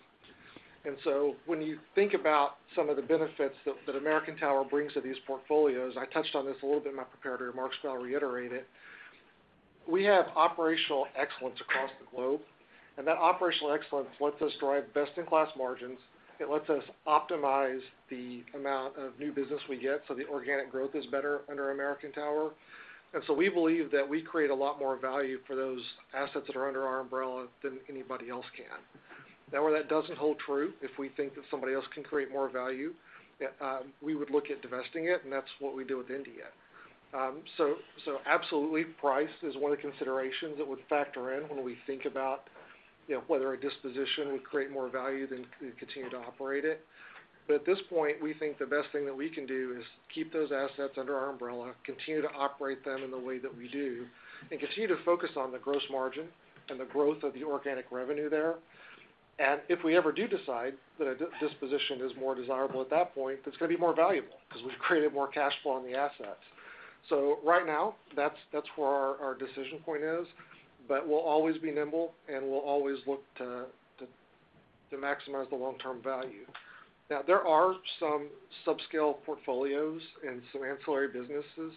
And so when you think about some of the benefits that American Tower brings to these portfolios, I touched on this a little bit in my preparatory remarks, but I'll reiterate it. We have operational excellence across the globe. And that operational excellence lets us drive best-in-class margins. It lets us optimize the amount of new business we get so the organic growth is better under American Tower. And so we believe that we create a lot more value for those assets that are under our umbrella than anybody else can. Now, where that doesn't hold true, if we think that somebody else can create more value, we would look at divesting it, and that's what we do with India. So absolutely, price is one of the considerations that would factor in when we think about whether a disposition would create more value than to continue to operate it. But at this point, we think the best thing that we can do is keep those assets under our umbrella, continue to operate them in the way that we do, and continue to focus on the gross margin and the growth of the organic revenue there. And if we ever do decide that a disposition is more desirable at that point, it's going to be more valuable because we've created more cash flow on the assets. So right now, that's where our decision point is. But we'll always be nimble, and we'll always look to maximize the long-term value. Now, there are some subscale portfolios and some ancillary businesses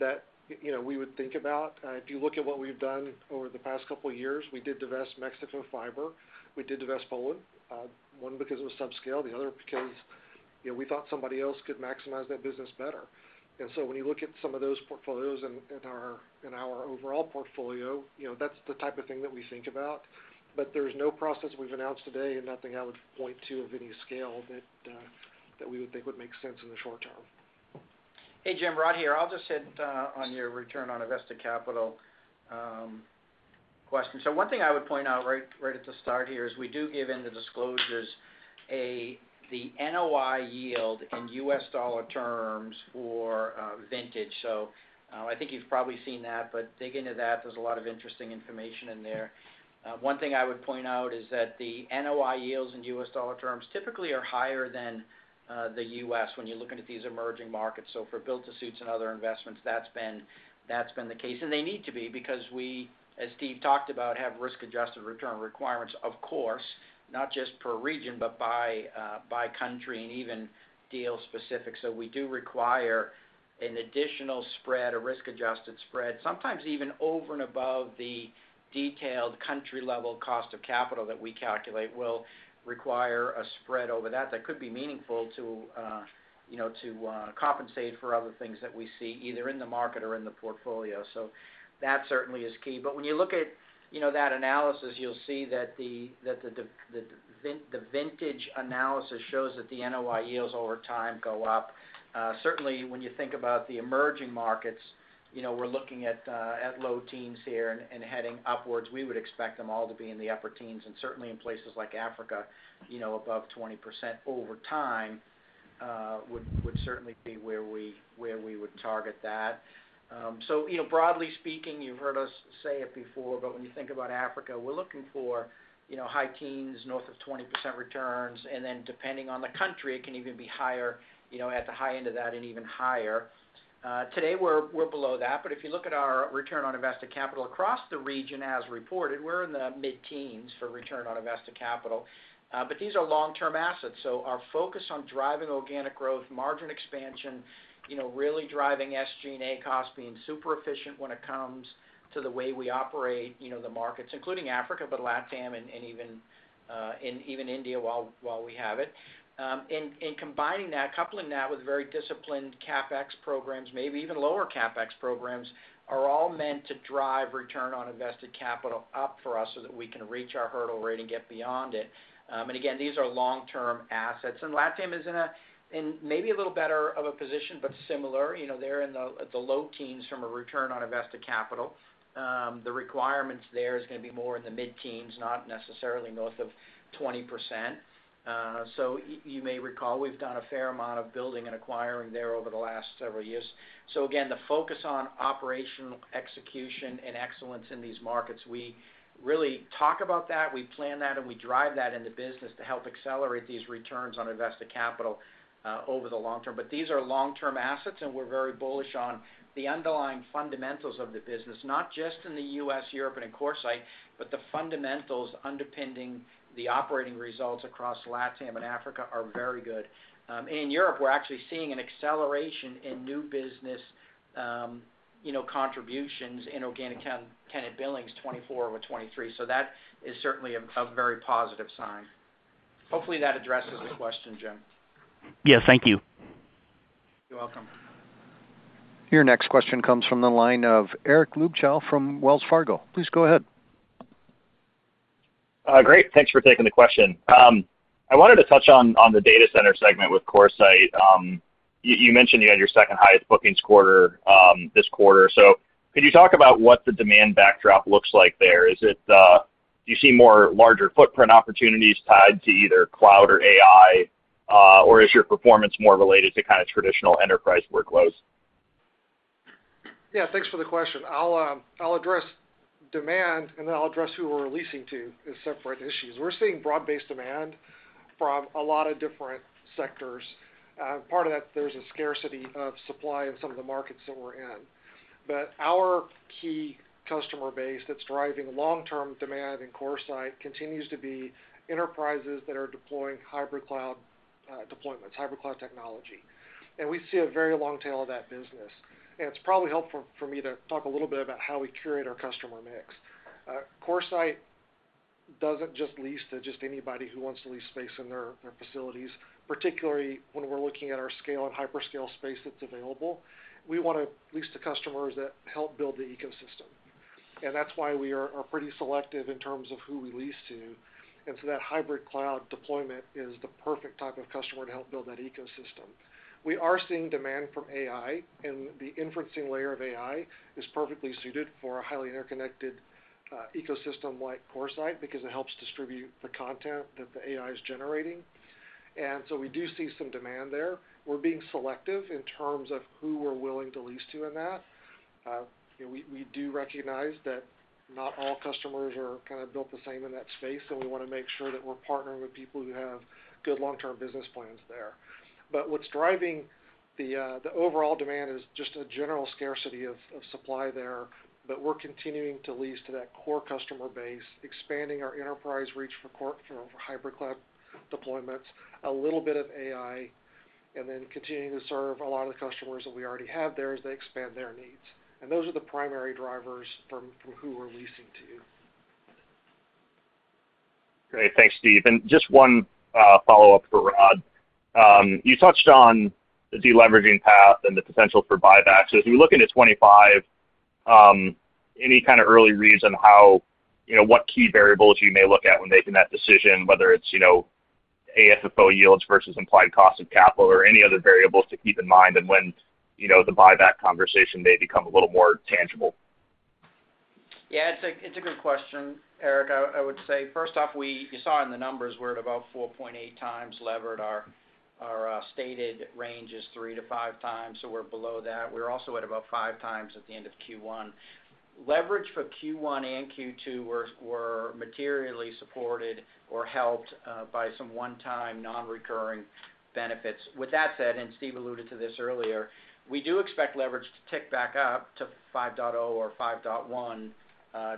that we would think about. If you look at what we've done over the past couple of years, we did divest Mexico Fiber. We did divest Poland, one because it was subscale, the other because we thought somebody else could maximize that business better. And so when you look at some of those portfolios and our overall portfolio, that's the type of thing that we think about. But there's no process we've announced today and nothing I would point to of any scale that we would think would make sense in the short term. Hey, Jim. Rod here. I'll just hit on your return on invested capital question. So, one thing I would point out right at the start here is we do give in the disclosures the NOI yield in U.S. dollar terms for vintage. So, I think you've probably seen that, but dig into that. There's a lot of interesting information in there. One thing I would point out is that the NOI yields in U.S. dollar terms typically are higher than the U.S. when you're looking at these emerging markets. So, for build-to-suits and other investments, that's been the case. And they need to be because we, as Steve talked about, have risk-adjusted return requirements, of course, not just per region, but by country and even deal specific. So, we do require an additional spread, a risk-adjusted spread, sometimes even over and above the detailed country-level cost of capital that we calculate. We'll require a spread over that that could be meaningful to compensate for other things that we see either in the market or in the portfolio. So that certainly is key. But when you look at that analysis, you'll see that the vintage analysis shows that the NOI yields over time go up. Certainly, when you think about the emerging markets, we're looking at low teens here and heading upwards. We would expect them all to be in the upper teens. And certainly, in places like Africa, above 20% over time would certainly be where we would target that. So broadly speaking, you've heard us say it before, but when you think about Africa, we're looking for high teens, north of 20% returns. And then depending on the country, it can even be higher at the high end of that and even higher. Today, we're below that. If you look at our return on invested capital across the region as reported, we're in the mid-teens for return on invested capital. These are long-term assets. Our focus on driving organic growth, margin expansion, really driving SG&A costs being super efficient when it comes to the way we operate the markets, including Africa, but LATAM and even India while we have it. Combining that, coupling that with very disciplined CapEx programs, maybe even lower CapEx programs, are all meant to drive return on invested capital up for us so that we can reach our hurdle rate and get beyond it. Again, these are long-term assets. LATAM is in maybe a little better of a position, but similar. They're in the low teens from a return on invested capital. The requirements there are going to be more in the mid-teens, not necessarily north of 20%. So you may recall we've done a fair amount of building and acquiring there over the last several years. So again, the focus on operational execution and excellence in these markets, we really talk about that. We plan that, and we drive that in the business to help accelerate these returns on invested capital over the long term. But these are long-term assets, and we're very bullish on the underlying fundamentals of the business, not just in the U.S., Europe, and of course, but the fundamentals underpinning the operating results across LATAM and Africa are very good. In Europe, we're actually seeing an acceleration in new business contributions in organic tenant billings, 2024 over 2023. So that is certainly a very positive sign. Hopefully, that addresses the question, Jim. Yes. Thank you. You're welcome. Your next question comes from the line of Eric Luebchow from Wells Fargo. Please go ahead. Great. Thanks for taking the question. I wanted to touch on the data center segment with CoreSite. You mentioned you had your second highest bookings quarter this quarter. So could you talk about what the demand backdrop looks like there? Do you see more larger footprint opportunities tied to either cloud or AI, or is your performance more related to kind of traditional enterprise workloads? Yeah. Thanks for the question. I'll address demand, and then I'll address who we're leasing to as separate issues. We're seeing broad-based demand from a lot of different sectors. Part of that, there's a scarcity of supply in some of the markets that we're in. But our key customer base that's driving long-term demand in CoreSite continues to be enterprises that are deploying hybrid cloud deployments, hybrid cloud technology. And we see a very long tail of that business. And it's probably helpful for me to talk a little bit about how we curate our customer mix. CoreSite doesn't just lease to just anybody who wants to lease space in their facilities, particularly when we're looking at our scale and hyperscale space that's available. We want to lease to customers that help build the ecosystem. And that's why we are pretty selective in terms of who we lease to. And so that hybrid cloud deployment is the perfect type of customer to help build that ecosystem. We are seeing demand from AI, and the inferencing layer of AI is perfectly suited for a highly interconnected ecosystem like CoreSite because it helps distribute the content that the AI is generating. And so we do see some demand there. We're being selective in terms of who we're willing to lease to in that. We do recognize that not all customers are kind of built the same in that space, and we want to make sure that we're partnering with people who have good long-term business plans there. But what's driving the overall demand is just a general scarcity of supply there. But we're continuing to lease to that core customer base, expanding our enterprise reach for hybrid cloud deployments, a little bit of AI, and then continuing to serve a lot of the customers that we already have there as they expand their needs. And those are the primary drivers from who we're leasing to. Great. Thanks, Steve. And just one follow-up for Rod. You touched on the deleveraging path and the potential for buybacks. As we look into 2025, any kind of early reason how what key variables you may look at when making that decision, whether it's AFFO yields versus implied cost of capital or any other variables to keep in mind and when the buyback conversation may become a little more tangible? Yeah. It's a good question, Eric. I would say, first off, you saw in the numbers we're at about 4.8 times levered. Our stated range is 3-5 times, so we're below that. We're also at about 5 times at the end of Q1. Leverage for Q1 and Q2 were materially supported or helped by some one-time non-recurring benefits. With that said, and Steve alluded to this earlier, we do expect leverage to tick back up to 5.0 or 5.1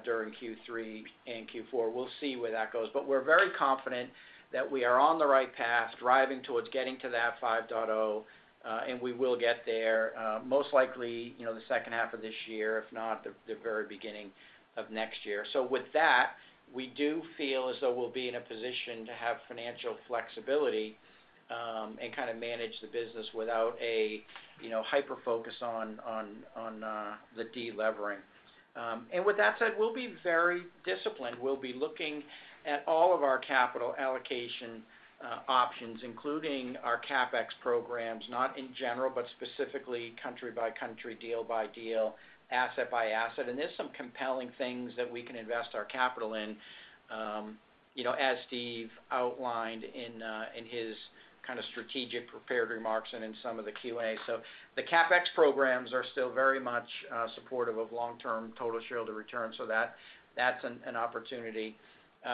during Q3 and Q4. We'll see where that goes. But we're very confident that we are on the right path, driving towards getting to that 5.0, and we will get there, most likely the second half of this year, if not the very beginning of next year. So with that, we do feel as though we'll be in a position to have financial flexibility and kind of manage the business without a hyper-focus on the deleveraging. And with that said, we'll be very disciplined. We'll be looking at all of our capital allocation options, including our CapEx programs, not in general, but specifically country-by-country, deal-by-deal, asset-by-asset. And there's some compelling things that we can invest our capital in, as Steve outlined in his kind of strategic prepared remarks and in some of the Q&A. So the CapEx programs are still very much supportive of long-term total shareholder return, so that's an opportunity.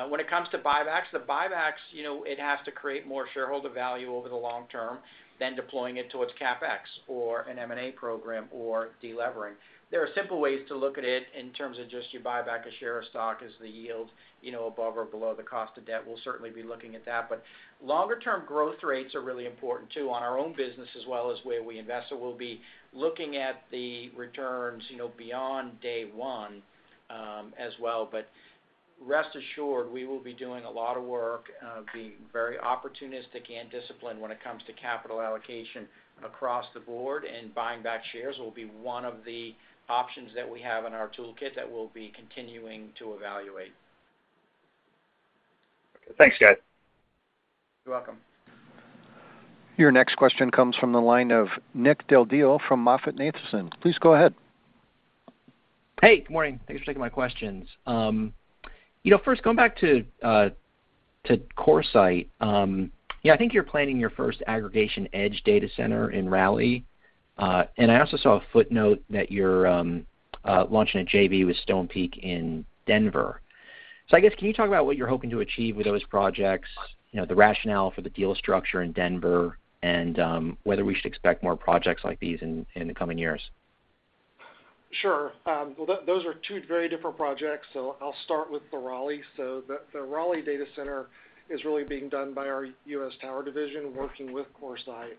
When it comes to buybacks, the buybacks, it has to create more shareholder value over the long term than deploying it towards CapEx or an M&A program or delevering. There are simple ways to look at it in terms of just you buy back a share of stock as the yield above or below the cost of debt. We'll certainly be looking at that. But longer-term growth rates are really important too on our own business as well as where we invest. So we'll be looking at the returns beyond day one as well. But rest assured, we will be doing a lot of work, being very opportunistic and disciplined when it comes to capital allocation across the board. And buying back shares will be one of the options that we have in our toolkit that we'll be continuing to evaluate. Thanks, guys. You're welcome. Your next question comes from the line of Nick Del Deo from MoffettNathanson. Please go ahead. Hey. Good morning. Thanks for taking my questions. First, going back to CoreSite, yeah, I think you're planning your first aggregation edge data center in Raleigh. And I also saw a footnote that you're launching a JV with Stonepeak in Denver. So I guess, can you talk about what you're hoping to achieve with those projects, the rationale for the deal structure in Denver, and whether we should expect more projects like these in the coming years? Sure. Well, those are two very different projects. So I'll start with the Raleigh. So the Raleigh data center is really being done by our U.S. Tower division working with CoreSite.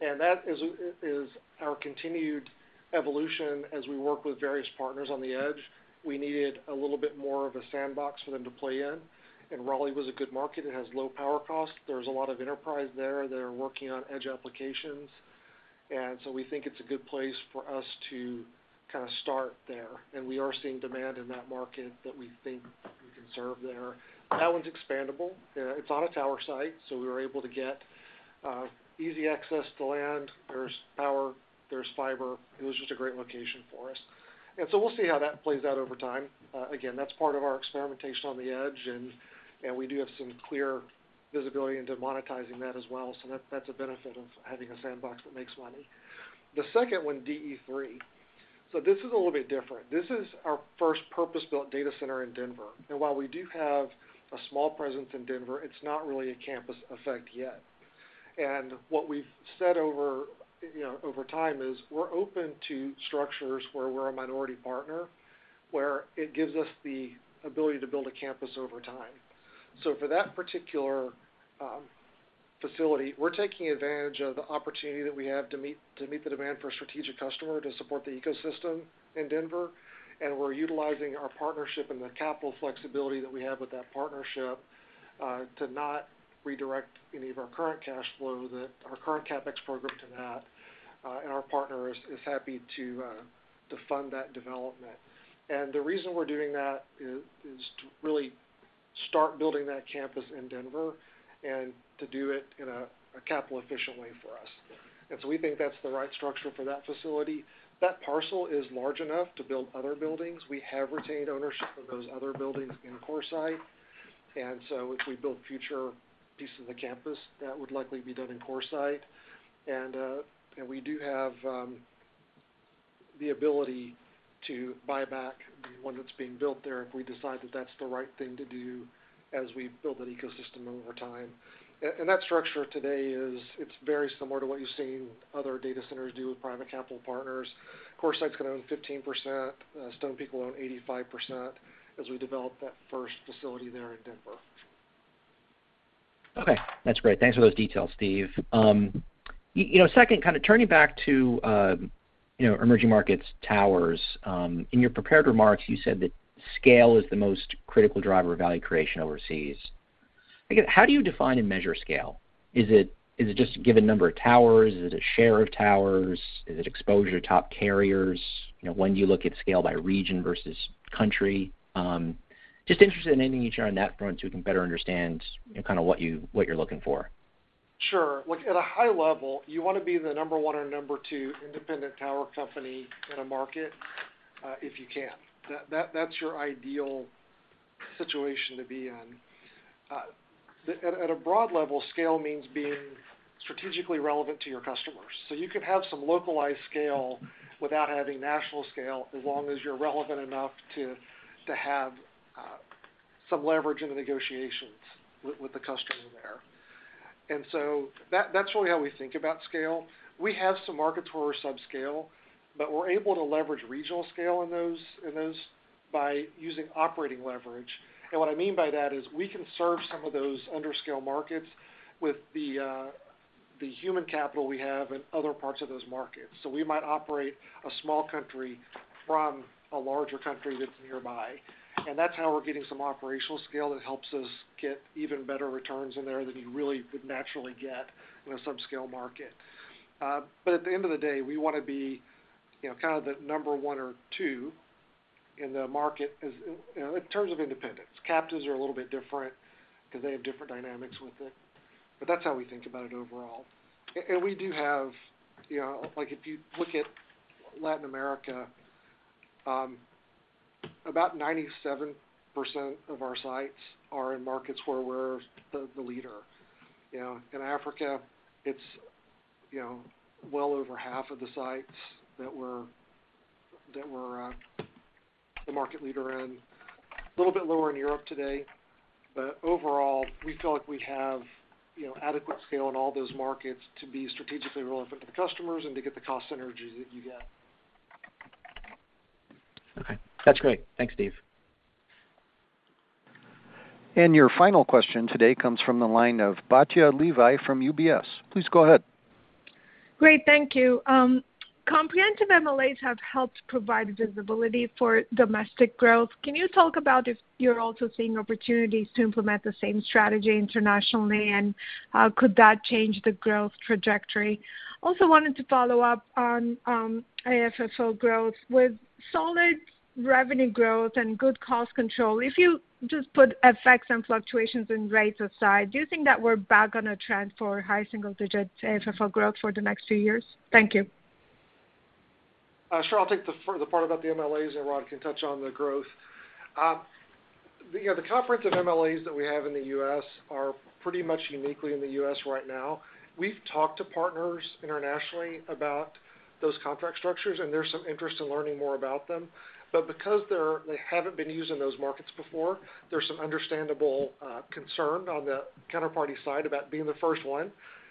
And that is our continued evolution as we work with various partners on the edge. We needed a little bit more of a sandbox for them to play in. Raleigh was a good market. It has low power costs. There's a lot of enterprise there. They're working on edge applications. We think it's a good place for us to kind of start there. We are seeing demand in that market that we think we can serve there. That one's expandable. It's on a tower site, so we were able to get easy access to land. There's power. There's fiber. It was just a great location for us. We'll see how that plays out over time. Again, that's part of our experimentation on the edge, and we do have some clear visibility into monetizing that as well. That's a benefit of having a sandbox that makes money. The second one, DE3. This is a little bit different. This is our first purpose-built data center in Denver. While we do have a small presence in Denver, it's not really a campus effect yet. What we've said over time is we're open to structures where we're a minority partner, where it gives us the ability to build a campus over time. For that particular facility, we're taking advantage of the opportunity that we have to meet the demand for a strategic customer to support the ecosystem in Denver. We're utilizing our partnership and the capital flexibility that we have with that partnership to not redirect any of our current cash flow, our current CapEx program to that. Our partner is happy to fund that development. The reason we're doing that is to really start building that campus in Denver and to do it in a capital-efficient way for us. We think that's the right structure for that facility. That parcel is large enough to build other buildings. We have retained ownership of those other buildings in CoreSite. If we build future pieces of the campus, that would likely be done in CoreSite. We do have the ability to buy back the one that's being built there if we decide that that's the right thing to do as we build that ecosystem over time. That structure today, it's very similar to what you've seen other data centers do with private capital partners. CoreSite's going to own 15%. Stonepeak will own 85% as we develop that first facility there in Denver. Okay. That's great. Thanks for those details, Steve. Second, kind of turning back to emerging markets, towers. In your prepared remarks, you said that scale is the most critical driver of value creation overseas. How do you define and measure scale? Is it just a given number of towers? Is it a share of towers? Is it exposure to top carriers? When do you look at scale by region versus country? Just interested in anything you share on that front so we can better understand kind of what you're looking for. Sure. Look, at a high level, you want to be the number one or number two independent tower company in a market if you can. That's your ideal situation to be in. At a broad level, scale means being strategically relevant to your customers. So you can have some localized scale without having national scale as long as you're relevant enough to have some leverage in the negotiations with the customer there. And so that's really how we think about scale. We have some markets where we're subscale, but we're able to leverage regional scale in those by using operating leverage. And what I mean by that is we can serve some of those underscale markets with the human capital we have in other parts of those markets. So we might operate a small country from a larger country that's nearby. And that's how we're getting some operational scale that helps us get even better returns in there than you really would naturally get in a subscale market. But at the end of the day, we want to be kind of the number one or two in the market in terms of independence. Captives are a little bit different because they have different dynamics with it. But that's how we think about it overall. We do have, if you look at Latin America, about 97% of our sites are in markets where we're the leader. In Africa, it's well over half of the sites that we're the market leader in. A little bit lower in Europe today. But overall, we feel like we have adequate scale in all those markets to be strategically relevant to the customers and to get the cost synergy that you get. Okay. That's great. Thanks, Steve. And your final question today comes from the line of Batya Levi from UBS. Please go ahead. Great. Thank you. Comprehensive MLAs have helped provide visibility for domestic growth. Can you talk about if you're also seeing opportunities to implement the same strategy internationally, and could that change the growth trajectory? Also wanted to follow up on AFFO growth. With solid revenue growth and good cost control, if you just put effects and fluctuations in rates aside, do you think that we're back on a trend for high single-digit AFFO growth for the next few years? Thank you. Sure. I'll take the part about the MLAs, and Rod can touch on the growth. The confidence of MLAs that we have in the U.S. are pretty much uniquely in the U.S. right now. We've talked to partners internationally about those contract structures, and there's some interest in learning more about them. But because they haven't been used in those markets before, there's some understandable concern on the counterparty side about being the first one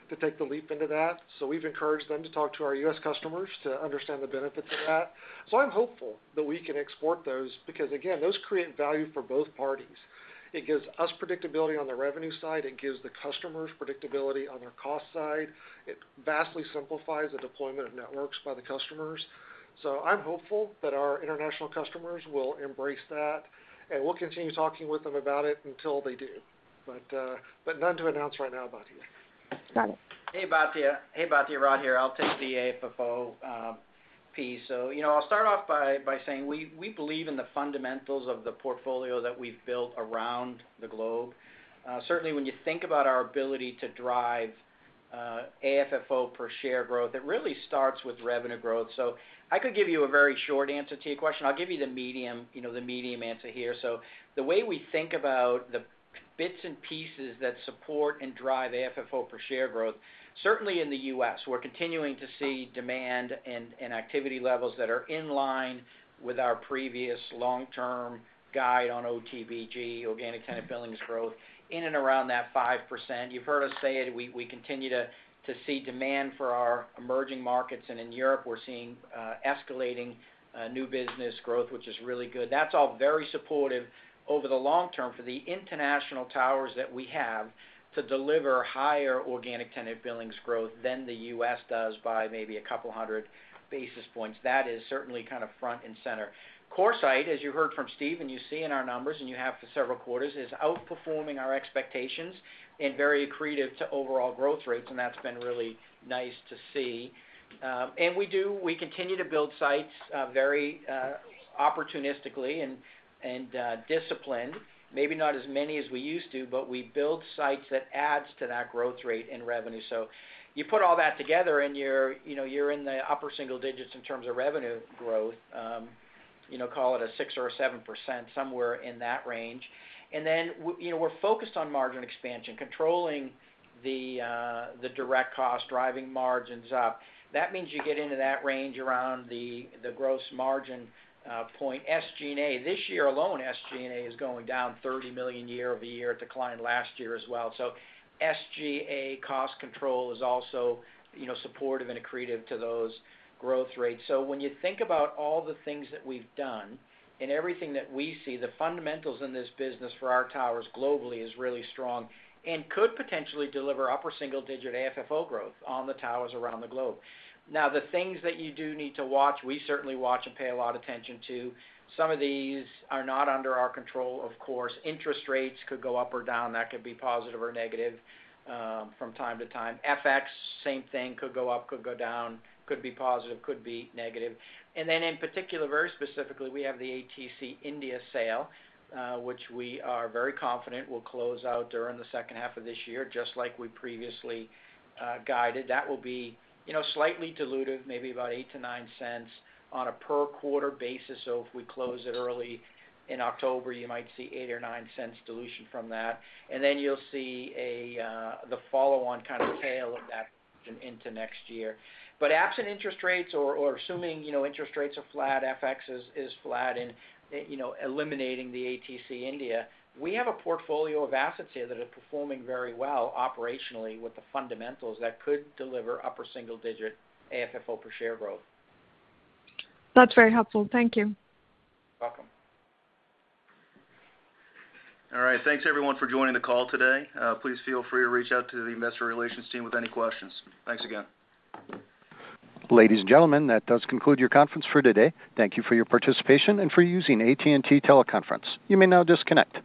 to take the leap into that. So we've encouraged them to talk to our U.S. customers to understand the benefits of that. So I'm hopeful that we can export those because, again, those create value for both parties. It gives us predictability on the revenue side. It gives the customers predictability on their cost side. It vastly simplifies the deployment of networks by the customers. So I'm hopeful that our international customers will embrace that, and we'll continue talking with them about it until they do. But none to announce right now, Batya. Hey, Batya. Hey, Batya, Rod here. I'll take the AFFO piece. So I'll start off by saying we believe in the fundamentals of the portfolio that we've built around the globe. Certainly, when you think about our ability to drive AFFO per share growth, it really starts with revenue growth. So I could give you a very short answer to your question. I'll give you the medium answer here. So the way we think about the bits and pieces that support and drive AFFO per share growth, certainly in the U.S., we're continuing to see demand and activity levels that are in line with our previous long-term guide on OTBG, organic tenant billings growth, in and around that 5%. You've heard us say it. We continue to see demand for our emerging markets. And in Europe, we're seeing escalating new business growth, which is really good. That's all very supportive over the long term for the international towers that we have to deliver higher organic tenant billings growth than the U.S. does by maybe a couple hundred basis points. That is certainly kind of front and center. CoreSite, as you heard from Steve and you see in our numbers and you have for several quarters, is outperforming our expectations and very accretive to overall growth rates. That's been really nice to see. We continue to build sites very opportunistically and disciplined. Maybe not as many as we used to, but we build sites that add to that growth rate and revenue. So you put all that together, and you're in the upper single digits in terms of revenue growth, call it 6% or 7%, somewhere in that range. Then we're focused on margin expansion, controlling the direct cost, driving margins up. That means you get into that range around the gross margin point. SG&A, this year alone, SG&A is going down $30 million year-over-year at the client last year as well. So SG&A cost control is also supportive and accretive to those growth rates. So when you think about all the things that we've done and everything that we see, the fundamentals in this business for our towers globally is really strong and could potentially deliver upper single-digit AFFO growth on the towers around the globe. Now, the things that you do need to watch, we certainly watch and pay a lot of attention to. Some of these are not under our control, of course. Interest rates could go up or down. That could be positive or negative from time to time. FX, same thing, could go up, could go down, could be positive, could be negative. And then in particular, very specifically, we have the ATC India sale, which we are very confident will close out during the second half of this year, just like we previously guided. That will be slightly diluted, maybe about $0.08-$0.09 on a per quarter basis. So if we close it early in October, you might see $0.08 or $0.09 dilution from that. And then you'll see the follow-on kind of tail of that into next year. But absent interest rates, or assuming interest rates are flat, FX is flat and eliminating the ATC India, we have a portfolio of assets here that are performing very well operationally with the fundamentals that could deliver upper single-digit AFFO per share growth. That's very helpful. Thank you. All right. Thanks, everyone, for joining the call today. Please feel free to reach out to the investor relations team with any questions. Thanks again. Ladies and gentlemen, that does conclude your conference for today. Thank you for your participation and for using AT&T Teleconference. You may now disconnect.